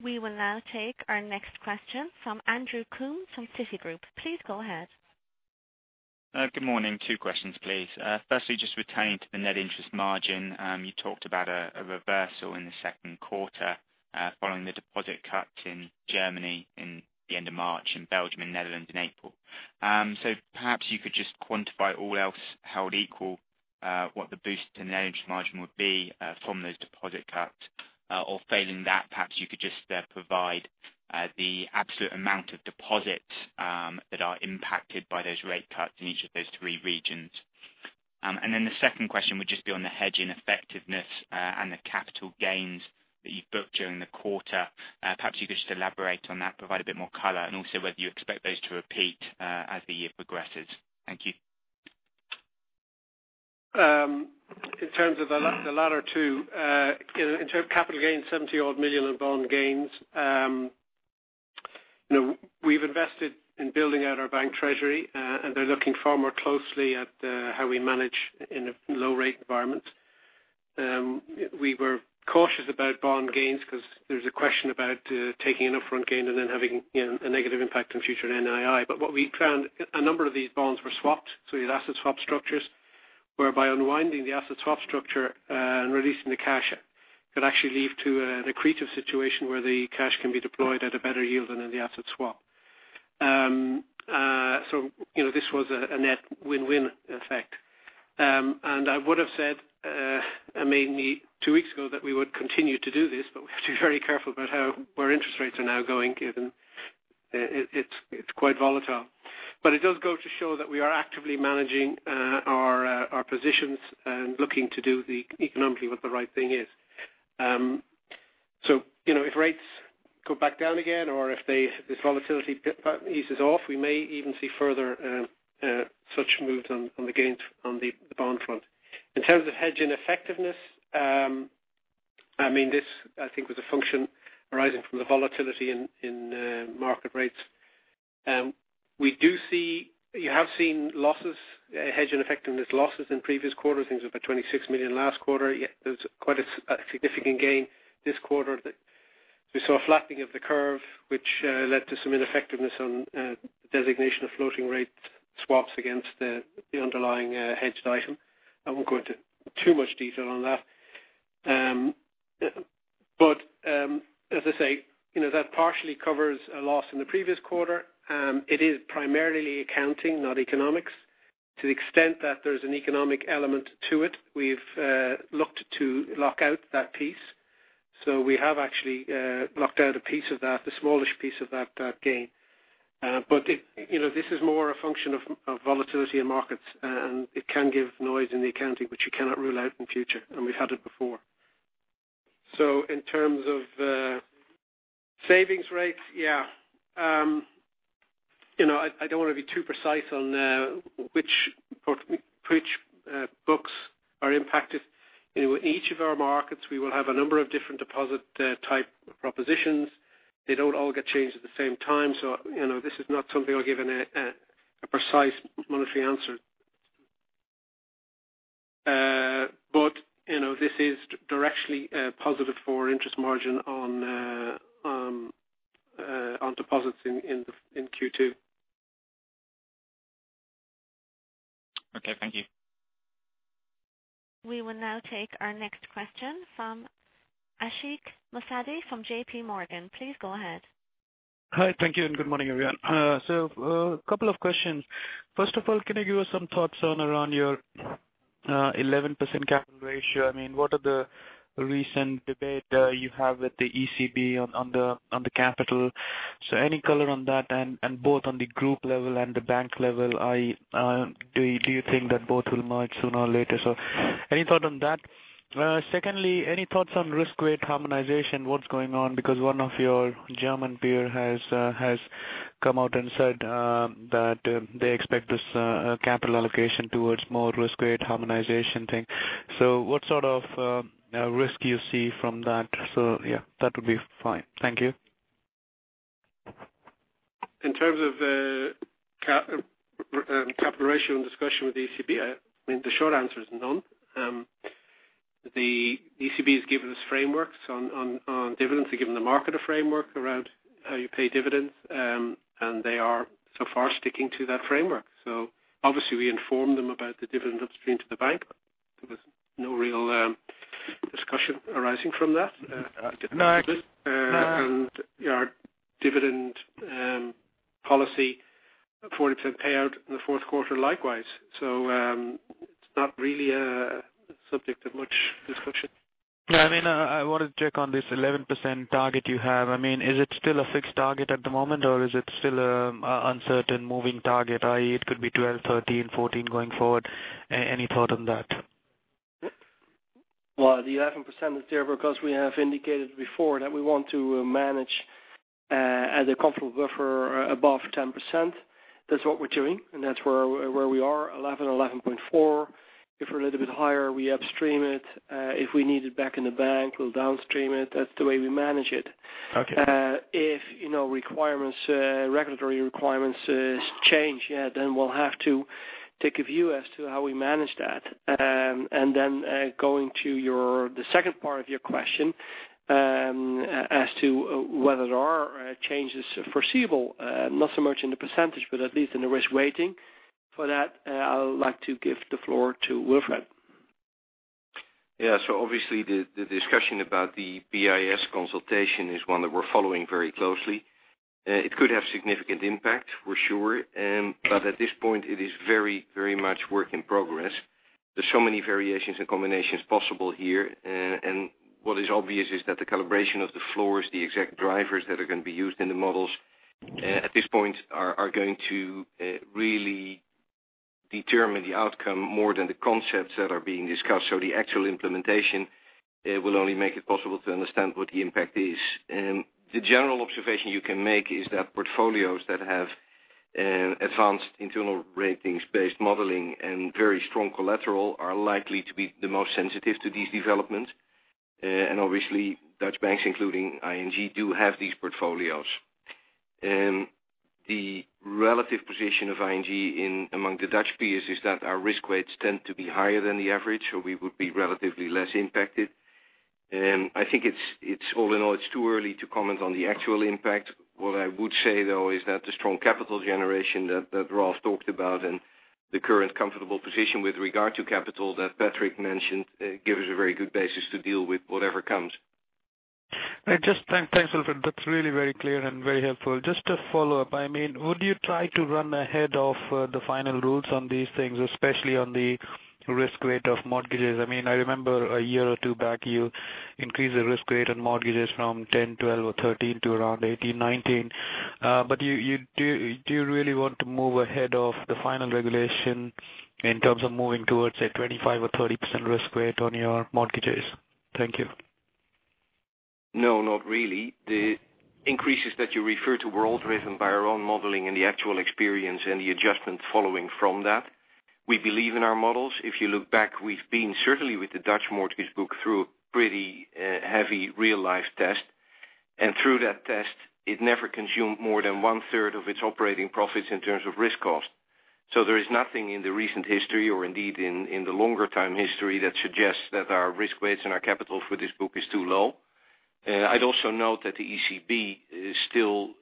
We will now take our next question from Andrew Coombs from Citigroup. Please go ahead. Good morning. Two questions, please. Firstly, just returning to the net interest margin. You talked about a reversal in the 2nd quarter following the deposit cuts in Germany in the end of March, and Belgium and Netherlands in April. Perhaps you could just quantify all else how it equal, what the boost in the interest margin would be from those deposit cuts. Or failing that, perhaps you could just provide the absolute amount of deposits that are impacted by those rate cuts in each of those three regions. The 2nd question would just be on the hedging effectiveness and the capital gains that you've booked during the quarter. Perhaps you could just elaborate on that, provide a bit more color, and also whether you expect those to repeat as the year progresses. Thank you. In terms of the latter two, in terms of capital gains, 70 million in bond gains. We've invested in building out our bank treasury, and they're looking far more closely at how we manage in a low rate environment. We were cautious about bond gains because there's a question about taking an upfront gain and then having a negative impact on future NII. What we found, a number of these bonds were swapped. You had asset swap structures, whereby unwinding the asset swap structure and releasing the cash, could actually lead to an accretive situation where the cash can be deployed at a better yield than in the asset swap. This was a net win-win effect. I would've said, mainly two weeks ago, that we would continue to do this, we have to be very careful about where interest rates are now going, given it's quite volatile. It does go to show that we are actively managing our positions and looking to do the economically what the right thing is. If rates go back down again or if this volatility eases off, we may even see further such moves on the gains on the bond front. In terms of hedging effectiveness, this I think was a function arising from the volatility in market rates. You have seen losses, hedging effectiveness losses in previous quarters, things of about 26 million last quarter. There's quite a significant gain this quarter that we saw a flattening of the curve, which led to some ineffectiveness on the designation of floating rate swaps against the underlying hedged item. I won't go into too much detail on that. As I say, that partially covers a loss in the previous quarter. It is primarily accounting, not economics. To the extent that there's an economic element to it, we've looked to lock out that piece. We have actually locked out a piece of that, the smallish piece of that gain. This is more a function of volatility in markets, and it can give noise in the accounting, which you cannot rule out in future, and we've had it before. In terms of savings rates, yeah. I don't want to be too precise on which books are impacted. In each of our markets, we will have a number of different deposit type propositions. They don't all get changed at the same time. This is not something I'll give a precise monetary answer. This is directly positive for interest margin on deposits in Q2. Okay. Thank you. We will now take our next question from Ashish Masand from JP Morgan. Please go ahead. Hi. Thank you. Good morning, everyone. A couple of questions. First of all, can you give us some thoughts on around your 11% capital ratio? What are the recent debate you have with the ECB on the capital? Any color on that, and both on the group level and the bank level. Do you think that both will merge sooner or later? Any thought on that? Secondly, any thoughts on risk weight harmonization? What's going on? Because one of your German peer has come out and said that they expect this capital allocation towards more risk weight harmonization thing. What sort of risk you see from that? Yeah, that would be fine. Thank you. In terms of capital ratio and discussion with the ECB, the short answer is none. The ECB has given us frameworks on dividends. They've given the market a framework around how you pay dividends. They are so far sticking to that framework. Obviously we informed them about the dividend upstream to the bank. There was no real discussion arising from that. No. Our dividend policy, 40% payout in the fourth quarter, likewise. It's not really a subject of much discussion. Yeah. I wanted to check on this 11% target you have. Is it still a fixed target at the moment, or is it still an uncertain moving target, i.e., it could be 12, 13, 14 going forward? Any thought on that? Well, the 11% is there because we have indicated before that we want to manage at a comfortable buffer above 10%. That's what we're doing, and that's where we are, 11.4. If we're a little bit higher, we upstream it. If we need it back in the bank, we'll downstream it. That's the way we manage it. Okay. If regulatory requirements change, then we'll have to take a view as to how we manage that. Then going to the second part of your question, as to whether there are changes foreseeable, not so much in the percentage, but at least in the risk weighting. For that, I would like to give the floor to Wilfred. The discussion about the BIS consultation is one that we're following very closely. It could have significant impact, for sure. At this point it is very much work in progress. There's so many variations and combinations possible here. What is obvious is that the calibration of the floors, the exact drivers that are going to be used in the models at this point are going to really determine the outcome more than the concepts that are being discussed. The actual implementation will only make it possible to understand what the impact is. The general observation you can make is that portfolios that have advanced internal ratings-based modeling and very strong collateral are likely to be the most sensitive to these developments. Obviously, Dutch banks, including ING, do have these portfolios. The relative position of ING among the Dutch peers is that our risk weights tend to be higher than the average, so we would be relatively less impacted. I think all in all, it's too early to comment on the actual impact. What I would say, though, is that the strong capital generation that Ralph talked about and the current comfortable position with regard to capital that Patrick mentioned gives a very good basis to deal with whatever comes. Thanks, Wilfred. That's really very clear and very helpful. Just to follow up, would you try to run ahead of the final rules on these things, especially on the risk weight of mortgages? I remember a year or two back, you increased the risk weight on mortgages from 10, 12, or 13 to around 18, 19. Do you really want to move ahead of the final regulation in terms of moving towards a 25% or 30% risk weight on your mortgages? Thank you. Not really. The increases that you refer to were all driven by our own modeling and the actual experience and the adjustment following from that. We believe in our models. If you look back, we've been certainly with the Dutch mortgage book through a pretty heavy real-life test. Through that test, it never consumed more than one-third of its operating profits in terms of risk cost. There is nothing in the recent history or indeed in the longer time history that suggests that our risk weights and our capital for this book is too low. I'd also note that the ECB still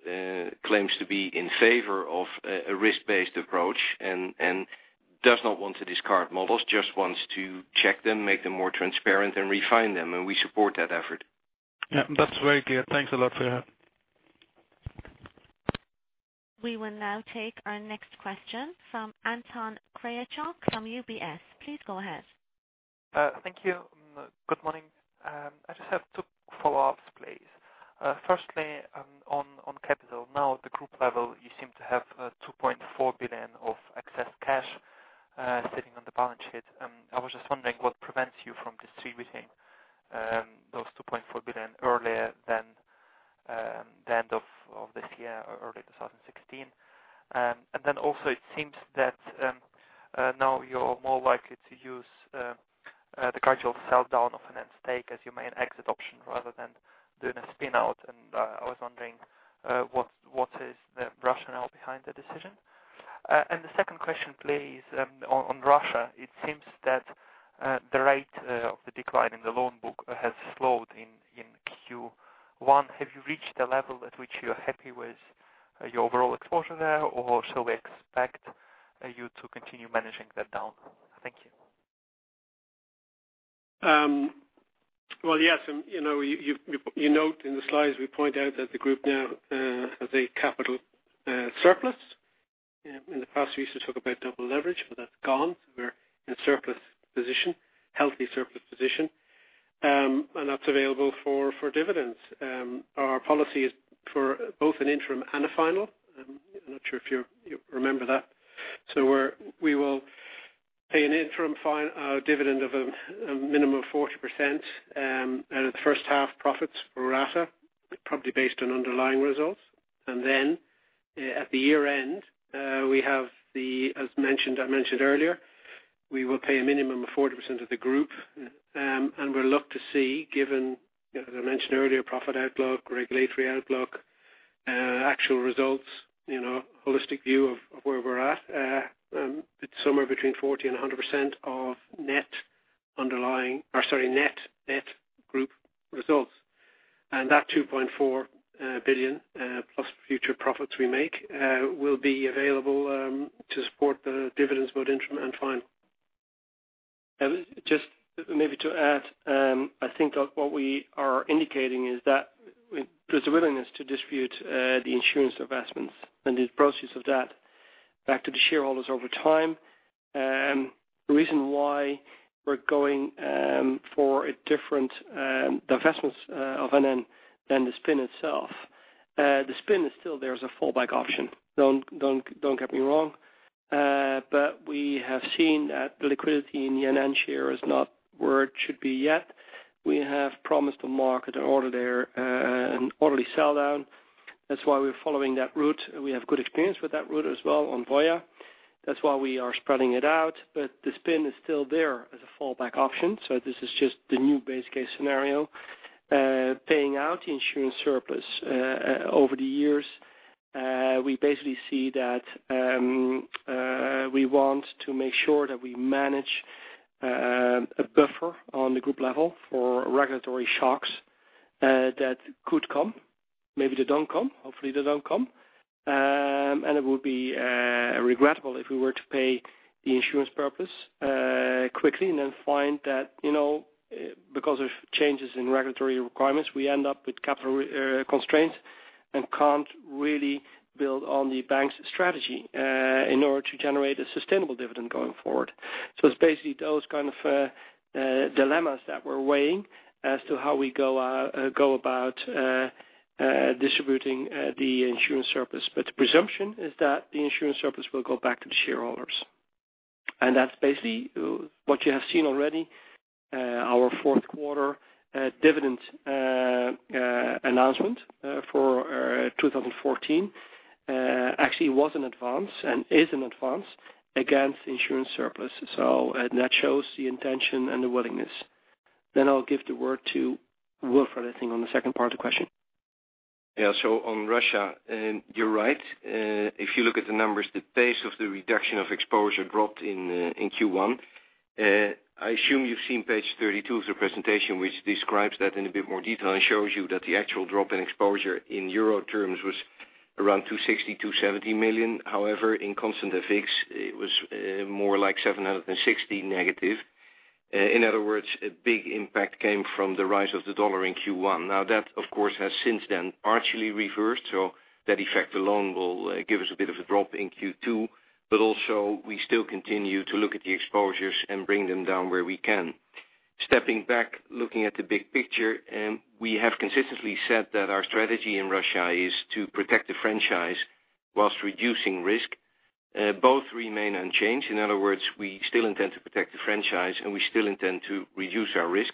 claims to be in favor of a risk-based approach and does not want to discard models, just wants to check them, make them more transparent, and refine them, we support that effort. Yeah, that's very clear. Thanks a lot for that. We will now take our next question from Anton Kryachok from UBS. Please go ahead. Thank you. Good morning. I just have two follow-ups, please. Firstly, The reason why we're going for different divestments of NN than the spin itself The spin is still there as a fallback option. Don't get me wrong. We have seen that the liquidity in NN share is not where it should be yet. We have promised the market an orderly sell-down. That's why we're following that route. We have good experience with that route as well on Voya. That's why we are spreading it out. The spin is still there as a fallback option. This is just the new base case scenario. Paying out the insurance surplus over the years, we basically see that we want to make sure that we manage a buffer on the group level for regulatory shocks that could come. Maybe they don't come. Hopefully, they don't come. It would be regrettable if we were to pay the insurance surplus quickly and then find that because of changes in regulatory requirements, we end up with capital constraints and can't really build on the bank's strategy in order to generate a sustainable dividend going forward. It's basically those kind of dilemmas that we're weighing as to how we go about distributing the insurance surplus. The presumption is that the insurance surplus will go back to the shareholders. That's basically what you have seen already. Our fourth quarter dividend announcement for 2014 actually was an advance and is an advance against insurance surplus. That shows the intention and the willingness. I'll give the word to Wilfred, I think, on the second part of the question. Yeah. On Russia, you're right. If you look at the numbers, the pace of the reduction of exposure dropped in Q1. I assume you've seen page 32 of the presentation, which describes that in a bit more detail and shows you that the actual drop in exposure in EUR terms was around 260 million-270 million. However, in constant effects, it was more like 760 million negative. In other words, a big impact came from the rise of the USD in Q1. That, of course, has since then partially reversed. That effect alone will give us a bit of a drop in Q2, but also we still continue to look at the exposures and bring them down where we can. Stepping back, looking at the big picture, we have consistently said that our strategy in Russia is to protect the franchise while reducing risk. Both remain unchanged. In other words, we still intend to protect the franchise. We still intend to reduce our risk.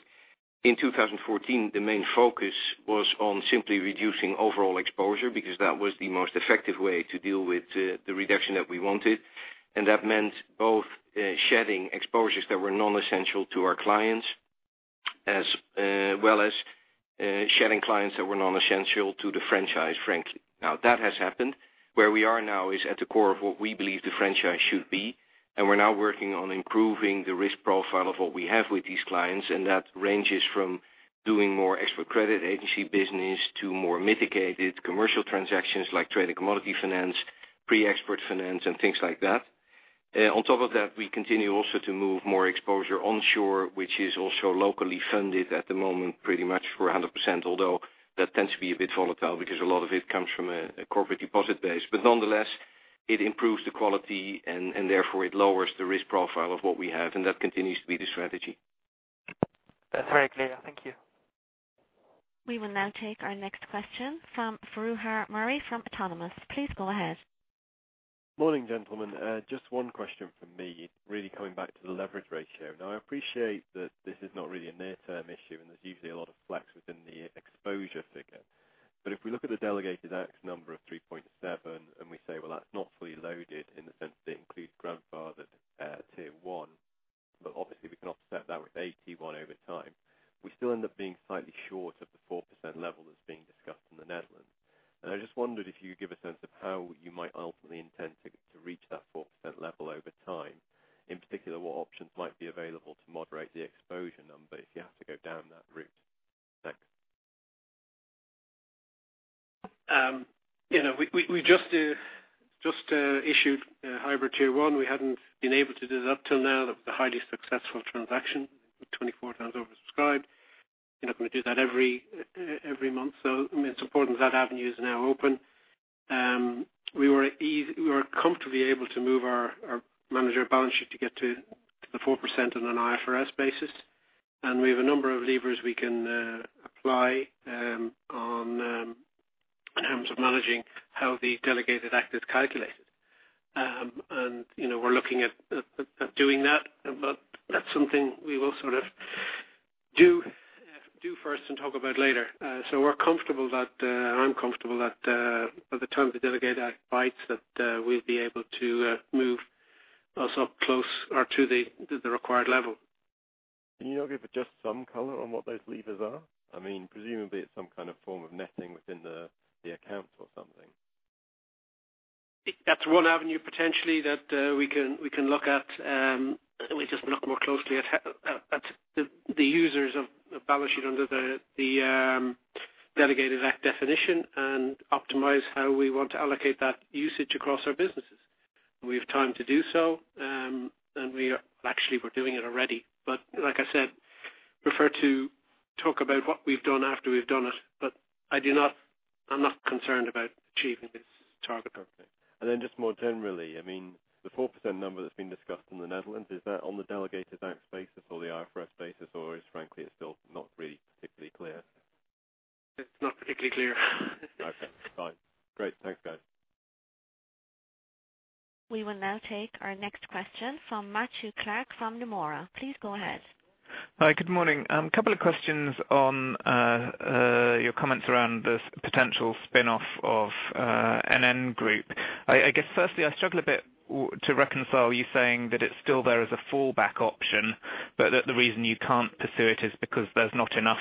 In 2014, the main focus was on simply reducing overall exposure because that was the most effective way to deal with the reduction that we wanted. That meant both shedding exposures that were non-essential to our clients, as well as shedding clients that were non-essential to the franchise, frankly. That has happened. Where we are now is at the core of what we believe the franchise should be. We're now working on improving the risk profile of what we have with these clients. That ranges from doing more export credit agency business to more mitigated commercial transactions like trade and commodity finance, pre-export finance, and things like that. On top of that, we continue also to move more exposure onshore, which is also locally funded at the moment pretty much for 100%, although that tends to be a bit volatile because a lot of it comes from a corporate deposit base. Nonetheless, it improves the quality. Therefore, it lowers the risk profile of what we have. That continues to be the strategy. That's very clear. Thank you. We will now take our next question from Farquhar Murray from Autonomous. Please go ahead. Morning, gentlemen. Just one question from me, really coming back to the leverage ratio. Now, I appreciate that this is not really a near-term issue, and there's usually a lot of flex within the exposure figure. If we look at the Delegated Act number of 3.7, we say, well, that's not fully loaded in the sense that it includes grandfathered Tier 1, obviously we can offset that with AT1 over time. We still end up being slightly short of the 4% level that's being discussed in the Netherlands. I just wondered if you could give a sense of how you might ultimately intend to reach that 4% level over time. In particular, what options might be available to moderate the exposure number if you have to go down that route? Thanks. We just issued a hybrid Tier 1. We hadn't been able to do that up till now. That was a highly successful transaction, 24 times oversubscribed. We're not going to do that every month. It's important that avenue is now open. We were comfortably able to move our manager balance sheet to get to the 4% on an IFRS basis. We have a number of levers we can apply in terms of managing how the Delegated Act is calculated. We're looking at doing that, but that's something we will sort of do first and talk about later. We're comfortable that, I'm comfortable that by the time the Delegated Act bites, that we'll be able to move us up close or to the required level. Can you not give just some color on what those levers are? Presumably it's some kind of form of netting within the accounts or something. That's one avenue, potentially, that we can look at. We just look more closely at the users of the balance sheet under the Delegated Act definition and optimize how we want to allocate that usage across our businesses. We have time to do so. Actually, we're doing it already. Like I said, prefer to talk about what we've done after we've done it. I'm not concerned about achieving this target. Just more generally, the 4% number that's been discussed in the Netherlands, is that on the delegated bank's basis or the IFRS basis, or is frankly, it's still not really particularly clear? It's not particularly clear. Okay. Fine. Great. Thanks, guys. We will now take our next question from Matthew Clark from Nomura. Please go ahead. Hi, good morning. Couple of questions on your comments around the potential spin-off of NN Group. I guess firstly, I struggle a bit to reconcile you saying that it's still there as a fallback option, but that the reason you can't pursue it is because there's not enough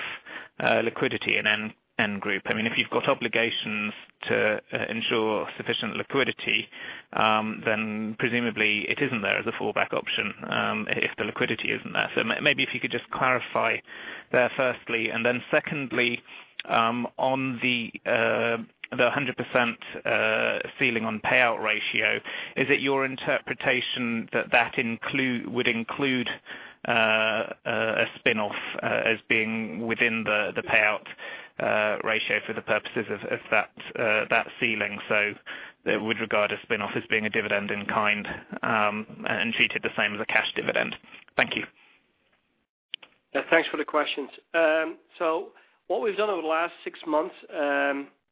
liquidity in NN Group. If you've got obligations to ensure sufficient liquidity, presumably it isn't there as a fallback option, if the liquidity isn't there. Maybe if you could just clarify there, firstly, and secondly, on the 100% ceiling on payout ratio, is it your interpretation that that would include a spin-off as being within the payout ratio for the purposes of that ceiling, would regard a spin-off as being a dividend in kind, and treat it the same as a cash dividend? Thank you. Yeah, thanks for the questions. What we've done over the last six months,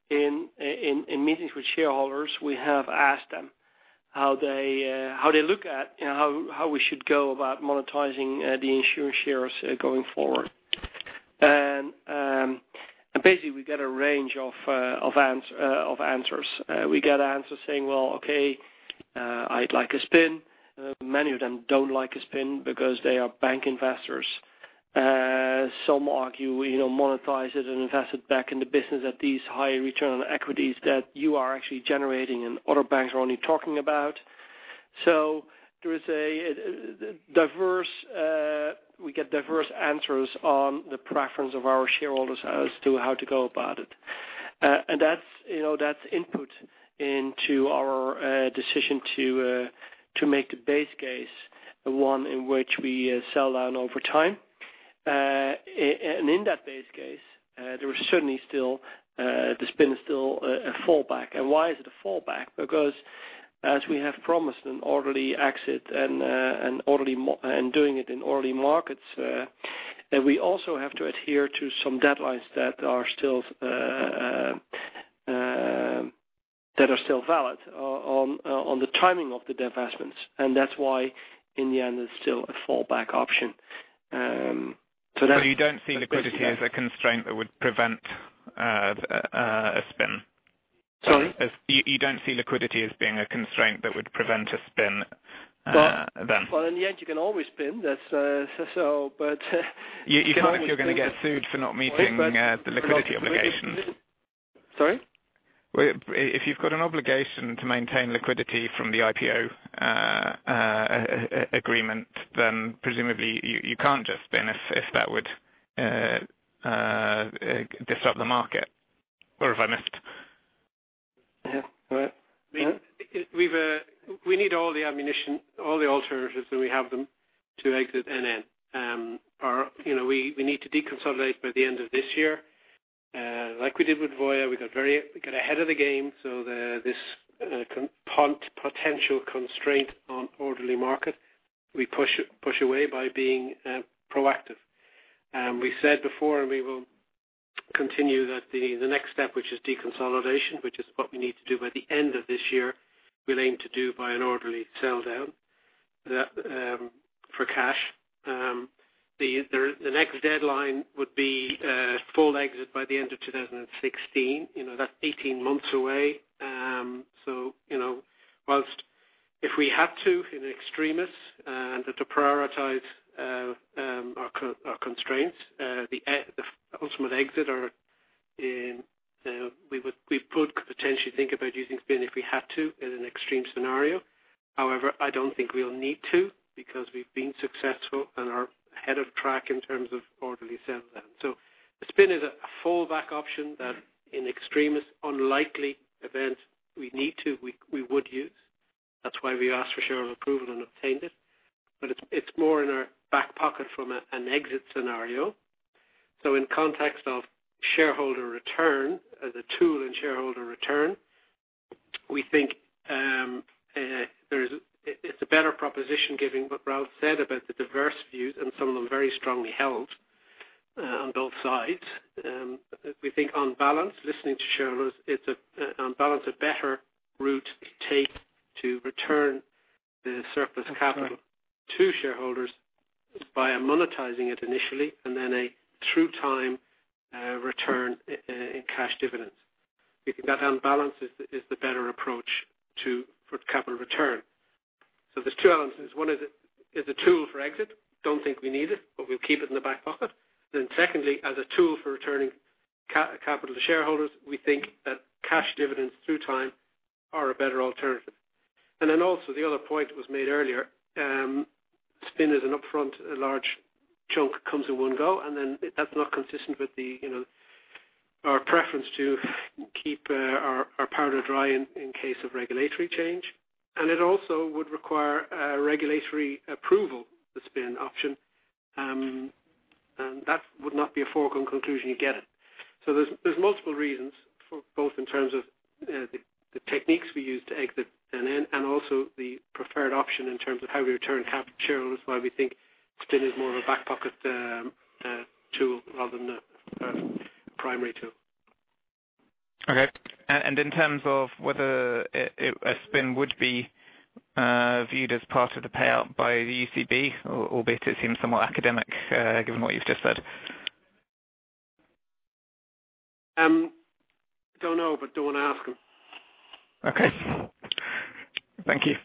in meetings with shareholders, we have asked them how they look at how we should go about monetizing the insurance shares going forward. Basically, we get a range of answers. We get answers saying, "Well, okay, I'd like a spin." Many of them don't like a spin because they are bank investors. Some argue, monetize it and invest it back in the business at these high return on equities that you are actually generating and other banks are only talking about. We get diverse answers on the preference of our shareholders as to how to go about it. That's input into our decision to make the base case, the one in which we sell down over time. In that base case, the spin is still a fallback. Why is it a fallback? Because as we have promised an orderly exit and doing it in orderly markets, we also have to adhere to some deadlines that are still valid on the timing of the divestments. That's why in the end, it's still a fallback option. You don't see liquidity as a constraint that would prevent a spin? Sorry? You don't see liquidity as being a constraint that would prevent a spin then? Well, in the end, you can always spin. You can't if you're going to get sued for not meeting the liquidity obligations. Sorry? If you've got an obligation to maintain liquidity from the IPO agreement, presumably you can't just spin if that would disrupt the market. Or have I missed? We need all the ammunition, all the alternatives, and we have them to exit NN. We need to deconsolidate by the end of this year. Like we did with Voya, we got ahead of the game, this potential constraint on orderly market, we push away by being proactive. We said before, we will continue that the next step, which is deconsolidation, which is what we need to do by the end of this year, we'll aim to do by an orderly sell down for cash. The next deadline would be full exit by the end of 2016. That's 18 months away. If we had to, in extremis, and had to prioritize our constraints, the ultimate exit, we could potentially think about using spin if we had to in an extreme scenario. I don't think we'll need to because we've been successful and are ahead of track in terms of orderly sell down. The spin is a fallback option that in extremis, unlikely event, we need to, we would use. That's why we asked for shareholder approval and obtained it. It's more in our back pocket from an exit scenario. In context of shareholder return, as a tool in shareholder return, we think it's a better proposition given what Ralph said about the diverse views and some of them very strongly held on both sides. We think on balance, listening to shareholders, it's on balance a better route take to return the surplus capital to shareholders by monetizing it initially and then a through-time return in cash dividends. We think that on balance is the better approach for capital return. There's two elements. One is a tool for exit. Don't think we need it, but we'll keep it in the back pocket. Secondly, as a tool for returning capital to shareholders, we think that cash dividends through time are a better alternative. Also the other point that was made earlier, spin is an upfront, large chunk comes in one go, that's not consistent with our preference to keep our powder dry in case of regulatory change. It also would require a regulatory approval, the spin option. That would not be a foregone conclusion you get it. There's multiple reasons, both in terms of the techniques we use to exit NN, and also the preferred option in terms of how we return capital. That's why we think spin is more of a back pocket tool rather than the primary tool. Okay. In terms of whether a spin would be viewed as part of the payout by the ECB, albeit it seems somewhat academic given what you've just said. Don't know, but don't ask them. Okay. Thank you.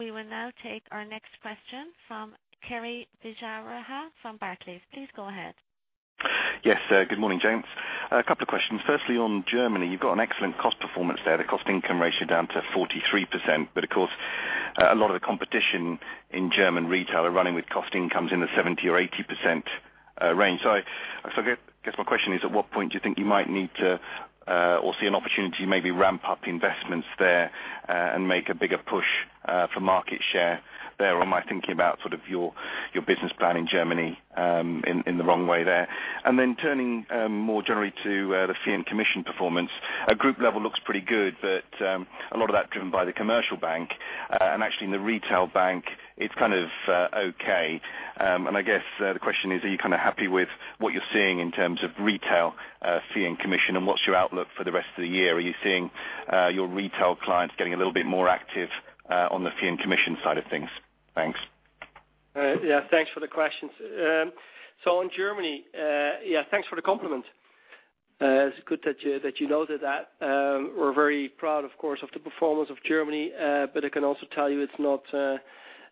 We will now take our next question from Keri Bijar from Barclays. Please go ahead. Yes. Good morning, Thanks. A couple of questions. Firstly, on Germany, you've got an excellent cost performance there. The cost income ratio down to 43%. Of course, a lot of the competition in German retail are running with cost incomes in the 70% or 80% range. I guess my question is, at what point do you think you might need to or see an opportunity to maybe ramp up investments there, and make a bigger push for market share there? Am I thinking about your business plan in Germany in the wrong way there? Then turning more generally to the fee and commission performance. At group level looks pretty good, but a lot of that driven by the commercial bank. Actually in the retail bank, it's kind of okay. I guess, the question is, are you happy with what you're seeing in terms of retail fee and commission, and what's your outlook for the rest of the year? Are you seeing your retail clients getting a little bit more active on the fee and commission side of things? Thanks. Yeah. Thanks for the questions. In Germany, thanks for the compliment. It's good that you noted that. We're very proud, of course, of the performance of Germany. I can also tell you it's not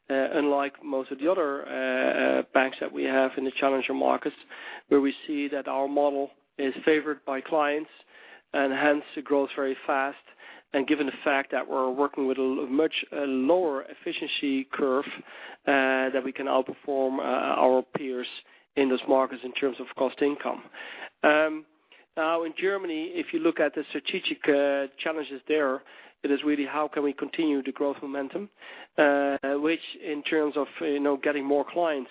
unlike most of the other banks that we have in the challenger markets, where we see that our model is favored by clients and hence it grows very fast. Given the fact that we're working with a much lower efficiency curve, that we can outperform our peers in those markets in terms of cost income. Now in Germany, if you look at the strategic challenges there, it is really how can we continue the growth momentum. Which in terms of getting more clients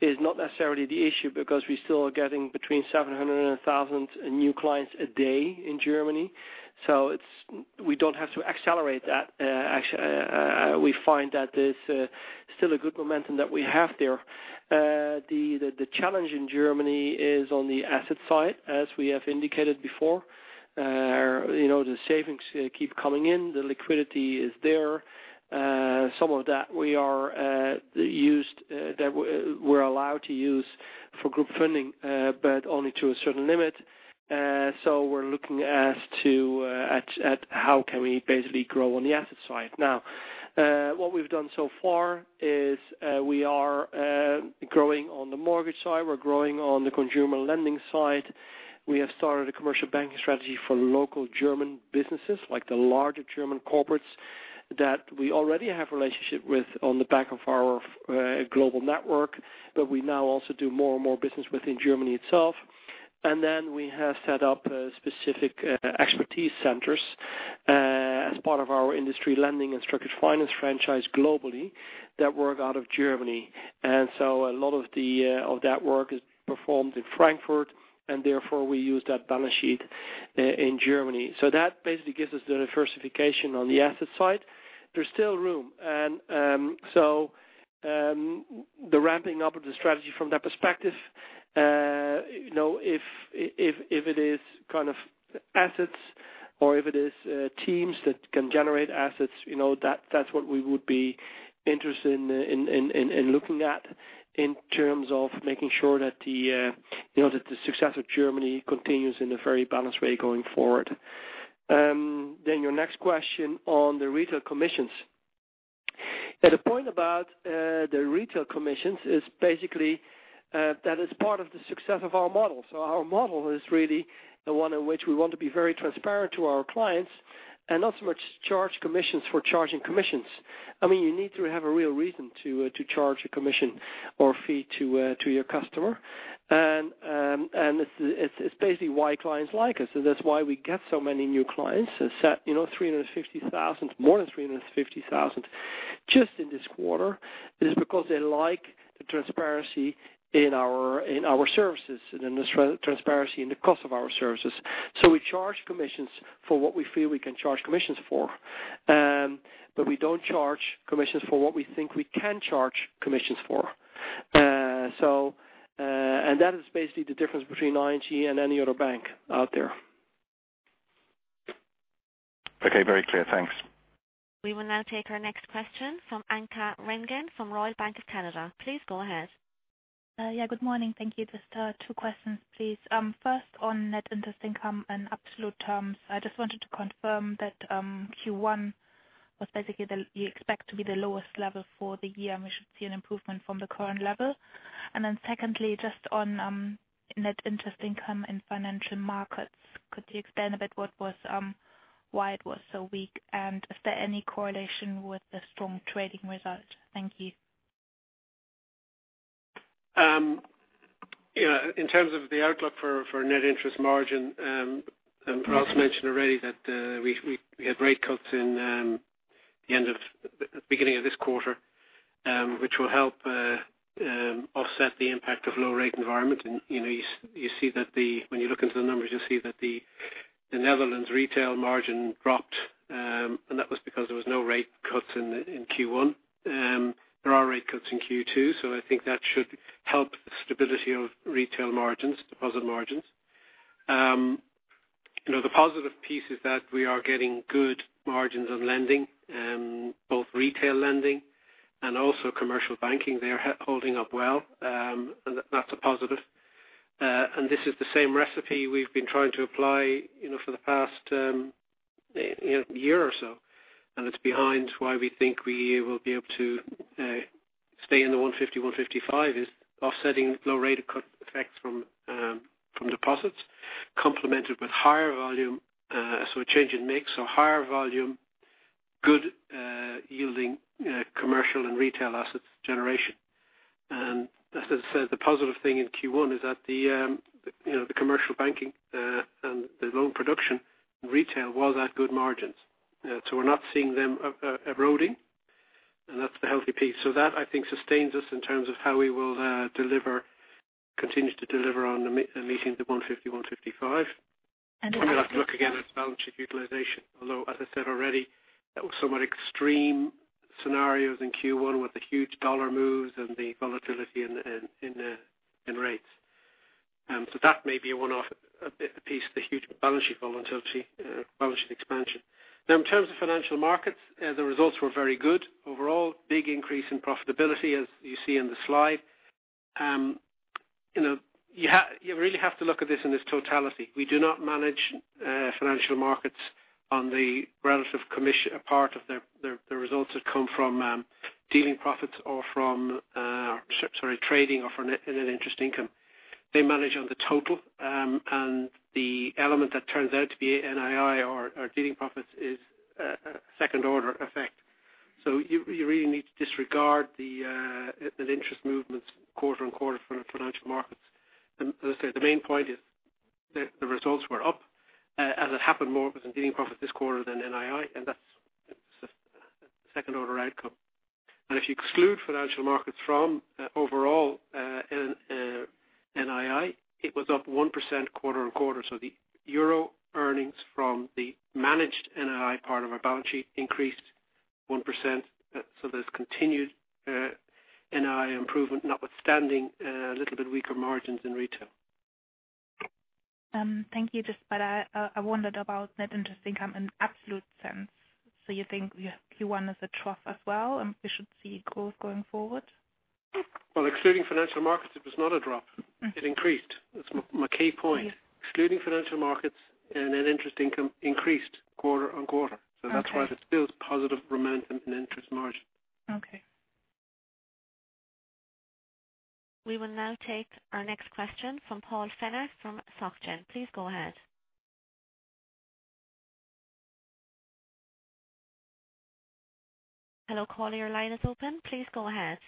is not necessarily the issue, because we still are getting between 700 and 1,000 new clients a day in Germany. We don't have to accelerate that. We find that there's still a good momentum that we have there. The challenge in Germany is on the asset side, as we have indicated before. The savings keep coming in, the liquidity is there. Some of that we're allowed to use for group funding, but only to a certain limit. We're looking as to how can we basically grow on the asset side. What we've done so far is we are growing on the mortgage side. We're growing on the consumer lending side. We have started a commercial banking strategy for local German businesses, like the larger German corporates that we already have relationship with on the back of our global network. We now also do more and more business within Germany itself. We have set up specific expertise centers, as part of our industry lending and structured finance franchise globally that work out of Germany. A lot of that work is performed in Frankfurt, and therefore we use that balance sheet in Germany. That basically gives us the diversification on the asset side. There's still room. The ramping up of the strategy from that perspective, if it is kind of assets or if it is teams that can generate assets, that's what we would be interested in looking at in terms of making sure that the success of Germany continues in a very balanced way going forward. Your next question on the retail commissions. The point about the retail commissions is basically that is part of the success of our model. Our model is really the one in which we want to be very transparent to our clients and not so much charge commissions for charging commissions. You need to have a real reason to charge a commission or fee to your customer. It's basically why clients like us. That's why we get so many new clients. More than 350,000 just in this quarter, is because they like the transparency in our services and the transparency in the cost of our services. We charge commissions for what we feel we can charge commissions for, but we don't charge commissions for what we think we can charge commissions for. That is basically the difference between ING and any other bank out there. Okay. Very clear. Thanks. We will now take our next question from Anke Reingen from Royal Bank of Canada. Please go ahead. Yeah. Good morning. Thank you. Just two questions, please. First, on net interest income in absolute terms, I just wanted to confirm that Q1 was basically you expect to be the lowest level for the year, and we should see an improvement from the current level? Secondly, just on net interest income in Financial Markets. Could you explain a bit why it was so weak, and is there any correlation with the strong trading results? Thank you. In terms of the outlook for net interest margin, Ralph mentioned already that we had rate cuts in the beginning of this quarter, which will help offset the impact of low rate environment. When you look into the numbers, you'll see that the Netherlands retail margin dropped, and that was because there was no rate cuts in Q1. There are rate cuts in Q2, so I think that should help the stability of retail margins, deposit margins. The positive piece is that we are getting good margins on lending, both retail lending and also commercial banking. They're holding up well, and that's a positive. This is the same recipe we've been trying to apply for the past year or so, and it's behind why we think we will be able to stay in the 150, 155 is offsetting low rate cut effects from deposits, complemented with higher volume. A change in mix or higher volume, good yielding commercial and retail assets generation. As I said, the positive thing in Q1 is that the commercial banking and the loan production in retail was at good margins. We're not seeing them eroding, and that's the healthy piece. That, I think, sustains us in terms of how we will continue to deliver on meeting the 150, 155. We'll have to look again at balance sheet utilization. Although, as I said already, that was somewhat extreme scenarios in Q1 with the huge USD moves and the volatility in rates. That may be a one-off piece, the huge balance sheet volatility, balance sheet expansion. In terms of Financial Markets, the results were very good overall, with a big increase in profitability, as you see in the slide. You really have to look at this in its totality. We do not manage Financial Markets on the relative commission part of the results that come from dealing profits or from, sorry, trading or from net interest income. They manage on the total, and the element that turns out to be NII or dealing profits is second order effect. You really need to disregard the interest movements quarter on quarter for Financial Markets. As I said, the main point is the results were up. As it happened more it was in dealing profits this quarter than NII, and that's a second order outcome. If you exclude Financial Markets from overall NII, it was up 1% quarter on quarter. The EUR earnings from the managed NII part of our balance sheet increased 1%. There's continued NII improvement, notwithstanding a little bit weaker margins in retail. Thank you. I wondered about net interest income in absolute sense. You think Q1 is a trough as well, and we should see growth going forward? Excluding Financial Markets, it was not a drop. It increased. That's my key point. Yeah. Excluding Financial Markets, net interest income increased quarter on quarter. Okay. That's why there's still positive momentum in interest margin. Okay. We will now take our next question from Paul Fenner from Société Générale. Please go ahead. Hello, Paul, your line is open. Please go ahead.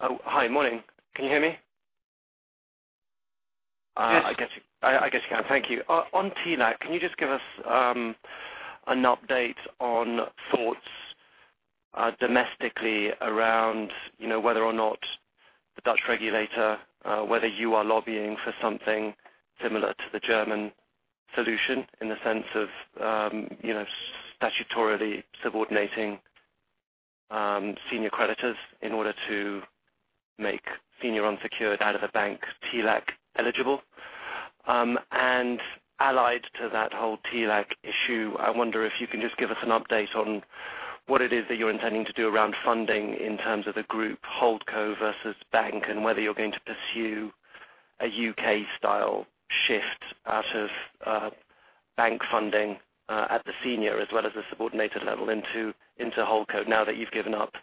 Hi. Morning. Can you hear me? Yes. I guess you can. Thank you. On TLAC, can you just give us an update on thoughts domestically around whether or not the Dutch regulator, whether you are lobbying for something similar to the German solution in the sense of statutorily subordinating senior creditors in order to make senior unsecured out of a bank TLAC eligible? Allied to that whole TLAC issue, I wonder if you can just give us an update on what it is that you're intending to do around funding in terms of the group holdco versus bank, and whether you're going to pursue a U.K. style shift out of bank funding at the senior as well as the subordinated level into holdco now that you've given up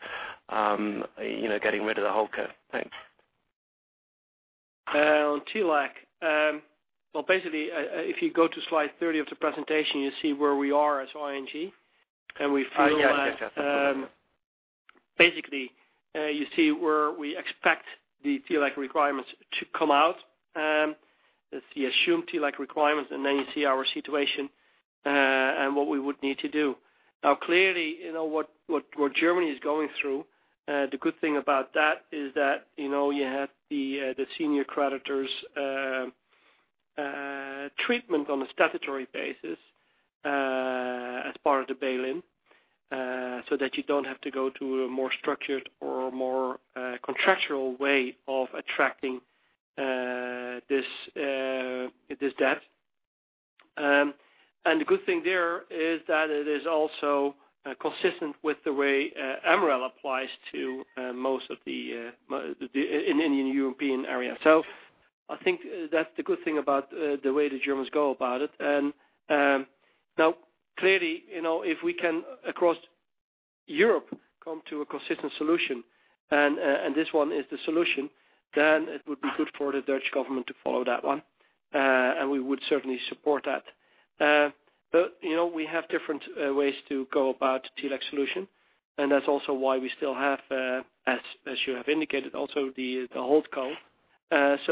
getting rid of the holdco. Thanks. On TLAC. Basically, if you go to slide 30 of the presentation, you'll see where we are as ING. Yes. Basically, you see where we expect the TLAC requirements to come out. You assume TLAC requirements, and then you see our situation, and what we would need to do. Clearly, what Germany is going through, the good thing about that is that you have the senior creditors' treatment on a statutory basis as part of the bail-in, so that you don't have to go to a more structured or more contractual way of attracting this debt. The good thing there is that it is also consistent with the way MREL applies in any European area. I think that's the good thing about the way the Germans go about it. Now, clearly, if we can, across Europe, come to a consistent solution, and this one is the solution, then it would be good for the Dutch government to follow that one. We would certainly support that. We have different ways to go about TLAC solution, and that's also why we still have, as you have indicated, also the holdco.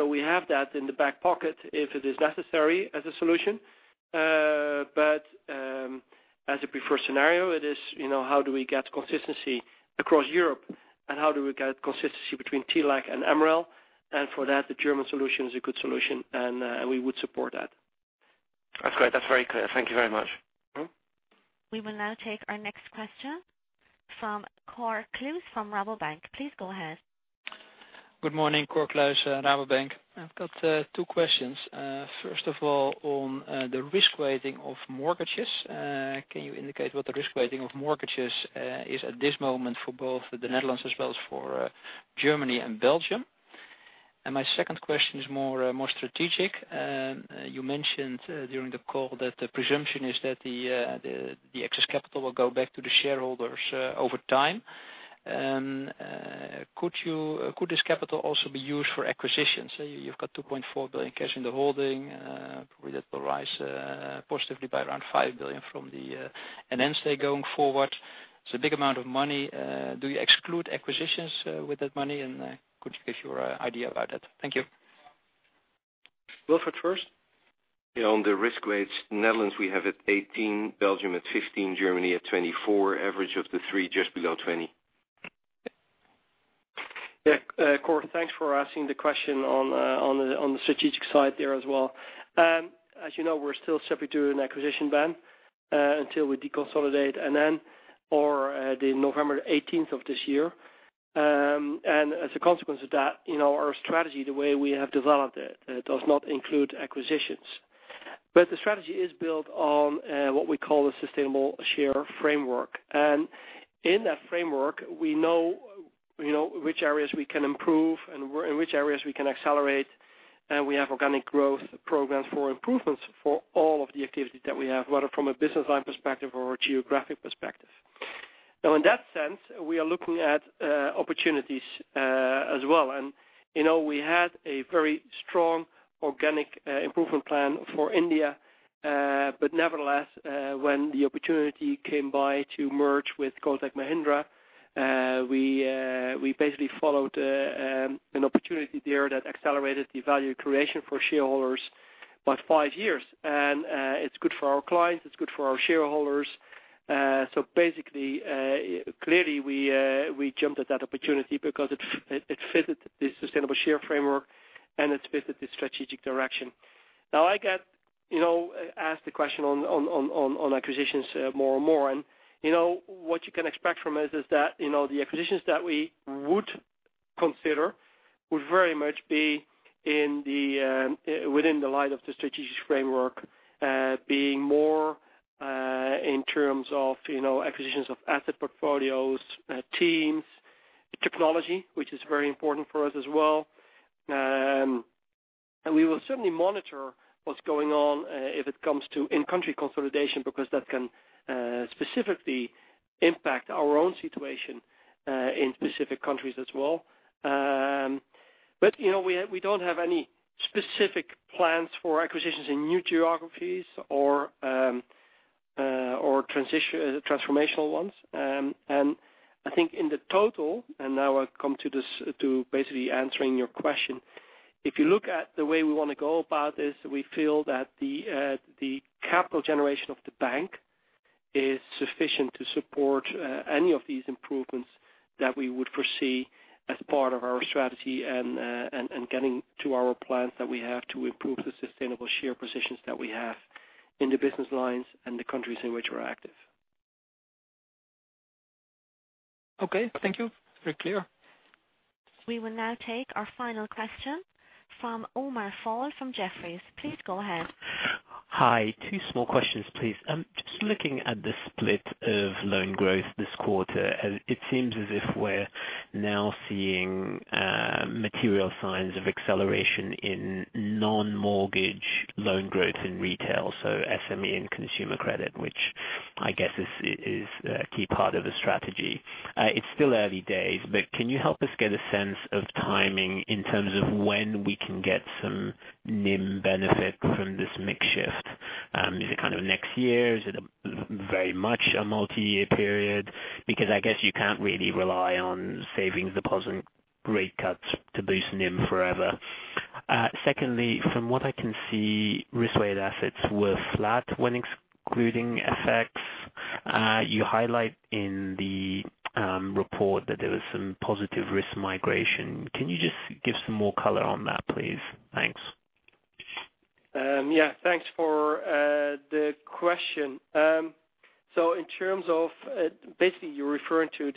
We have that in the back pocket if it is necessary as a solution. As a preferred scenario, it is how do we get consistency across Europe and how do we get consistency between TLAC and MREL, and for that, the German solution is a good solution, and we would support that. That's great. That's very clear. Thank you very much. We will now take our next question from Cor Kluis from Rabobank. Please go ahead. Good morning, Cor Kluis, Rabobank. I've got two questions. First of all, on the risk weighting of mortgages, can you indicate what the risk weighting of mortgages is at this moment for both the Netherlands as well as for Germany and Belgium? My second question is more strategic. You mentioned during the call that the presumption is that the excess capital will go back to the shareholders over time. Could this capital also be used for acquisitions? You've got 2.4 billion cash in the holding, probably that will rise positively by around 5 billion from the NN Group going forward. It's a big amount of money. Do you exclude acquisitions with that money, and could you give your idea about it? Thank you. Wilfred first. On the risk weights, Netherlands, we have at 18, Belgium at 15, Germany at 24, average of the three, just below 20. Yeah. Cor, thanks for asking the question on the strategic side there as well. As you know, we're still separately doing an acquisition ban, until we deconsolidate NN or the November 18th of this year. As a consequence of that, our strategy, the way we have developed it, does not include acquisitions. The strategy is built on what we call a sustainable share framework. In that framework, we know which areas we can improve and in which areas we can accelerate, and we have organic growth programs for improvements for all of the activities that we have, whether from a business line perspective or a geographic perspective. In that sense, we are looking at opportunities as well. We had a very strong organic improvement plan for India. Nevertheless, when the opportunity came by to merge with Kotak Mahindra, we basically followed an opportunity there that accelerated the value creation for shareholders by five years. It's good for our clients, it's good for our shareholders. Basically, clearly we jumped at that opportunity because it fitted the sustainable share framework and it fitted the strategic direction. I get asked the question on acquisitions more and more. What you can expect from us is that the acquisitions that we would consider would very much be within the light of the strategic framework, being more in terms of acquisitions of asset portfolios, teams, technology, which is very important for us as well. We will certainly monitor what's going on if it comes to in-country consolidation because that can specifically impact our own situation in specific countries as well. We don't have any specific plans for acquisitions in new geographies or transformational ones. I think in the total, and now I come to basically answering your question, if you look at the way we want to go about this, we feel that the capital generation of the bank is sufficient to support any of these improvements that we would foresee as part of our strategy and getting to our plans that we have to improve the sustainable share positions that we have in the business lines and the countries in which we're active. Okay. Thank you. Very clear. We will now take our final question from Omar Fall from Jefferies. Please go ahead. Hi. Two small questions, please. Just looking at the split of loan growth this quarter, it seems as if we're now seeing material signs of acceleration in non-mortgage loan growth in retail, so SME and consumer credit, which I guess is a key part of the strategy. It's still early days, but can you help us get a sense of timing in terms of when we can get some NIM benefit from this mix shift? Is it next year? Is it very much a multi-year period? Because I guess you can't really rely on savings deposit rate cuts to boost NIM forever. Secondly, from what I can see, risk-weighted assets were flat when excluding FX. You highlight in the report that there was some positive risk migration. Can you just give some more color on that, please? Thanks. Yeah. Thanks for the question. Basically you're referring to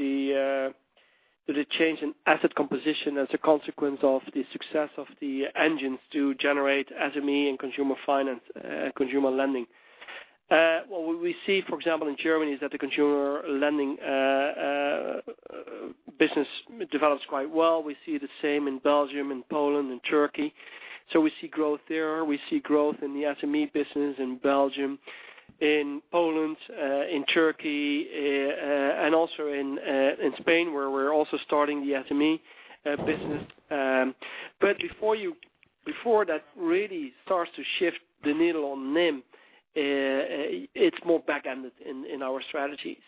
the change in asset composition as a consequence of the success of the engines to generate SME and consumer finance, consumer lending. What we see, for example, in Germany is that the consumer lending business develops quite well. We see the same in Belgium and Poland and Turkey. We see growth there. We see growth in the SME business in Belgium, in Poland, in Turkey, and also in Spain, where we're also starting the SME business. Before that really starts to shift the needle on NIM, it's more back-ended in our strategy.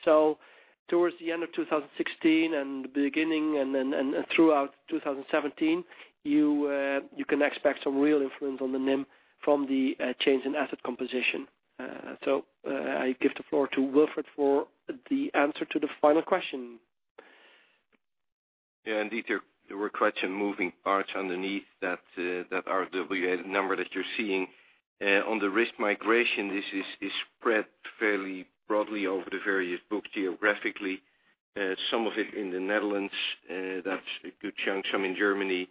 Towards the end of 2016 and the beginning and then throughout 2017, you can expect some real influence on the NIM from the change in asset composition. I give the floor to Wilfred for the answer to the final question. Indeed, there were quite some moving parts underneath that RWA number that you're seeing. On the risk migration, this is spread fairly broadly over the various book geographically. Some of it in the Netherlands, that's a good chunk, some in Germany,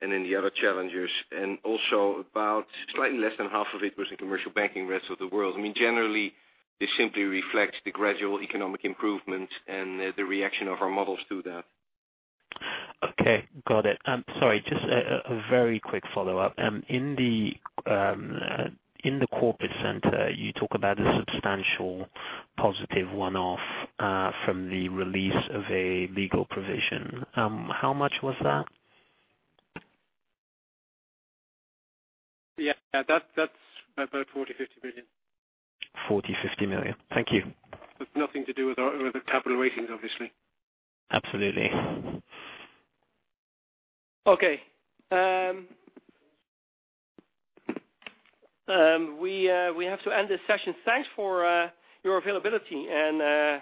then the other challengers. About slightly less than half of it was in commercial banking, rest of the world. Generally, this simply reflects the gradual economic improvement and the reaction of our models to that. Okay. Got it. Sorry, just a very quick follow-up. In the corporate center, you talk about a substantial positive one-off from the release of a legal provision. How much was that? That's about 40 million-50 million. 40 million-50 million. Thank you. It's nothing to do with our capital ratings, obviously. Absolutely. Okay. We have to end this session. Thanks for your availability and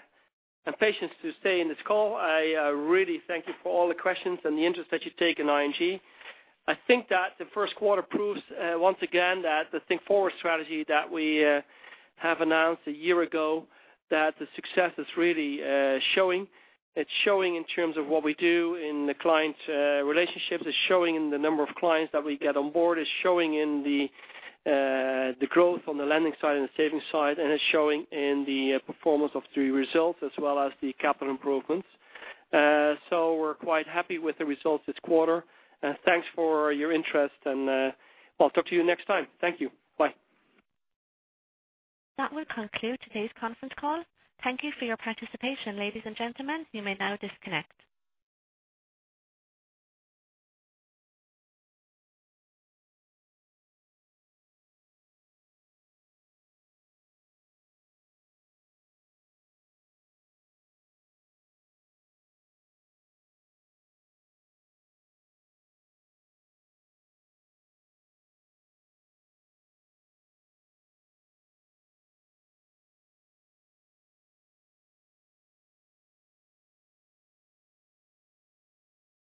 patience to stay in this call. I really thank you for all the questions and the interest that you take in ING. I think that the first quarter proves, once again, that the Think Forward strategy that we have announced a year ago, that the success is really showing. It's showing in terms of what we do in the client relationships. It's showing in the number of clients that we get on board. It's showing in the growth on the lending side and the savings side, and it's showing in the performance of the results as well as the capital improvements. We're quite happy with the results this quarter. Thanks for your interest and I'll talk to you next time. Thank you. Bye. That will conclude today's conference call. Thank you for your participation, ladies and gentlemen. You may now disconnect.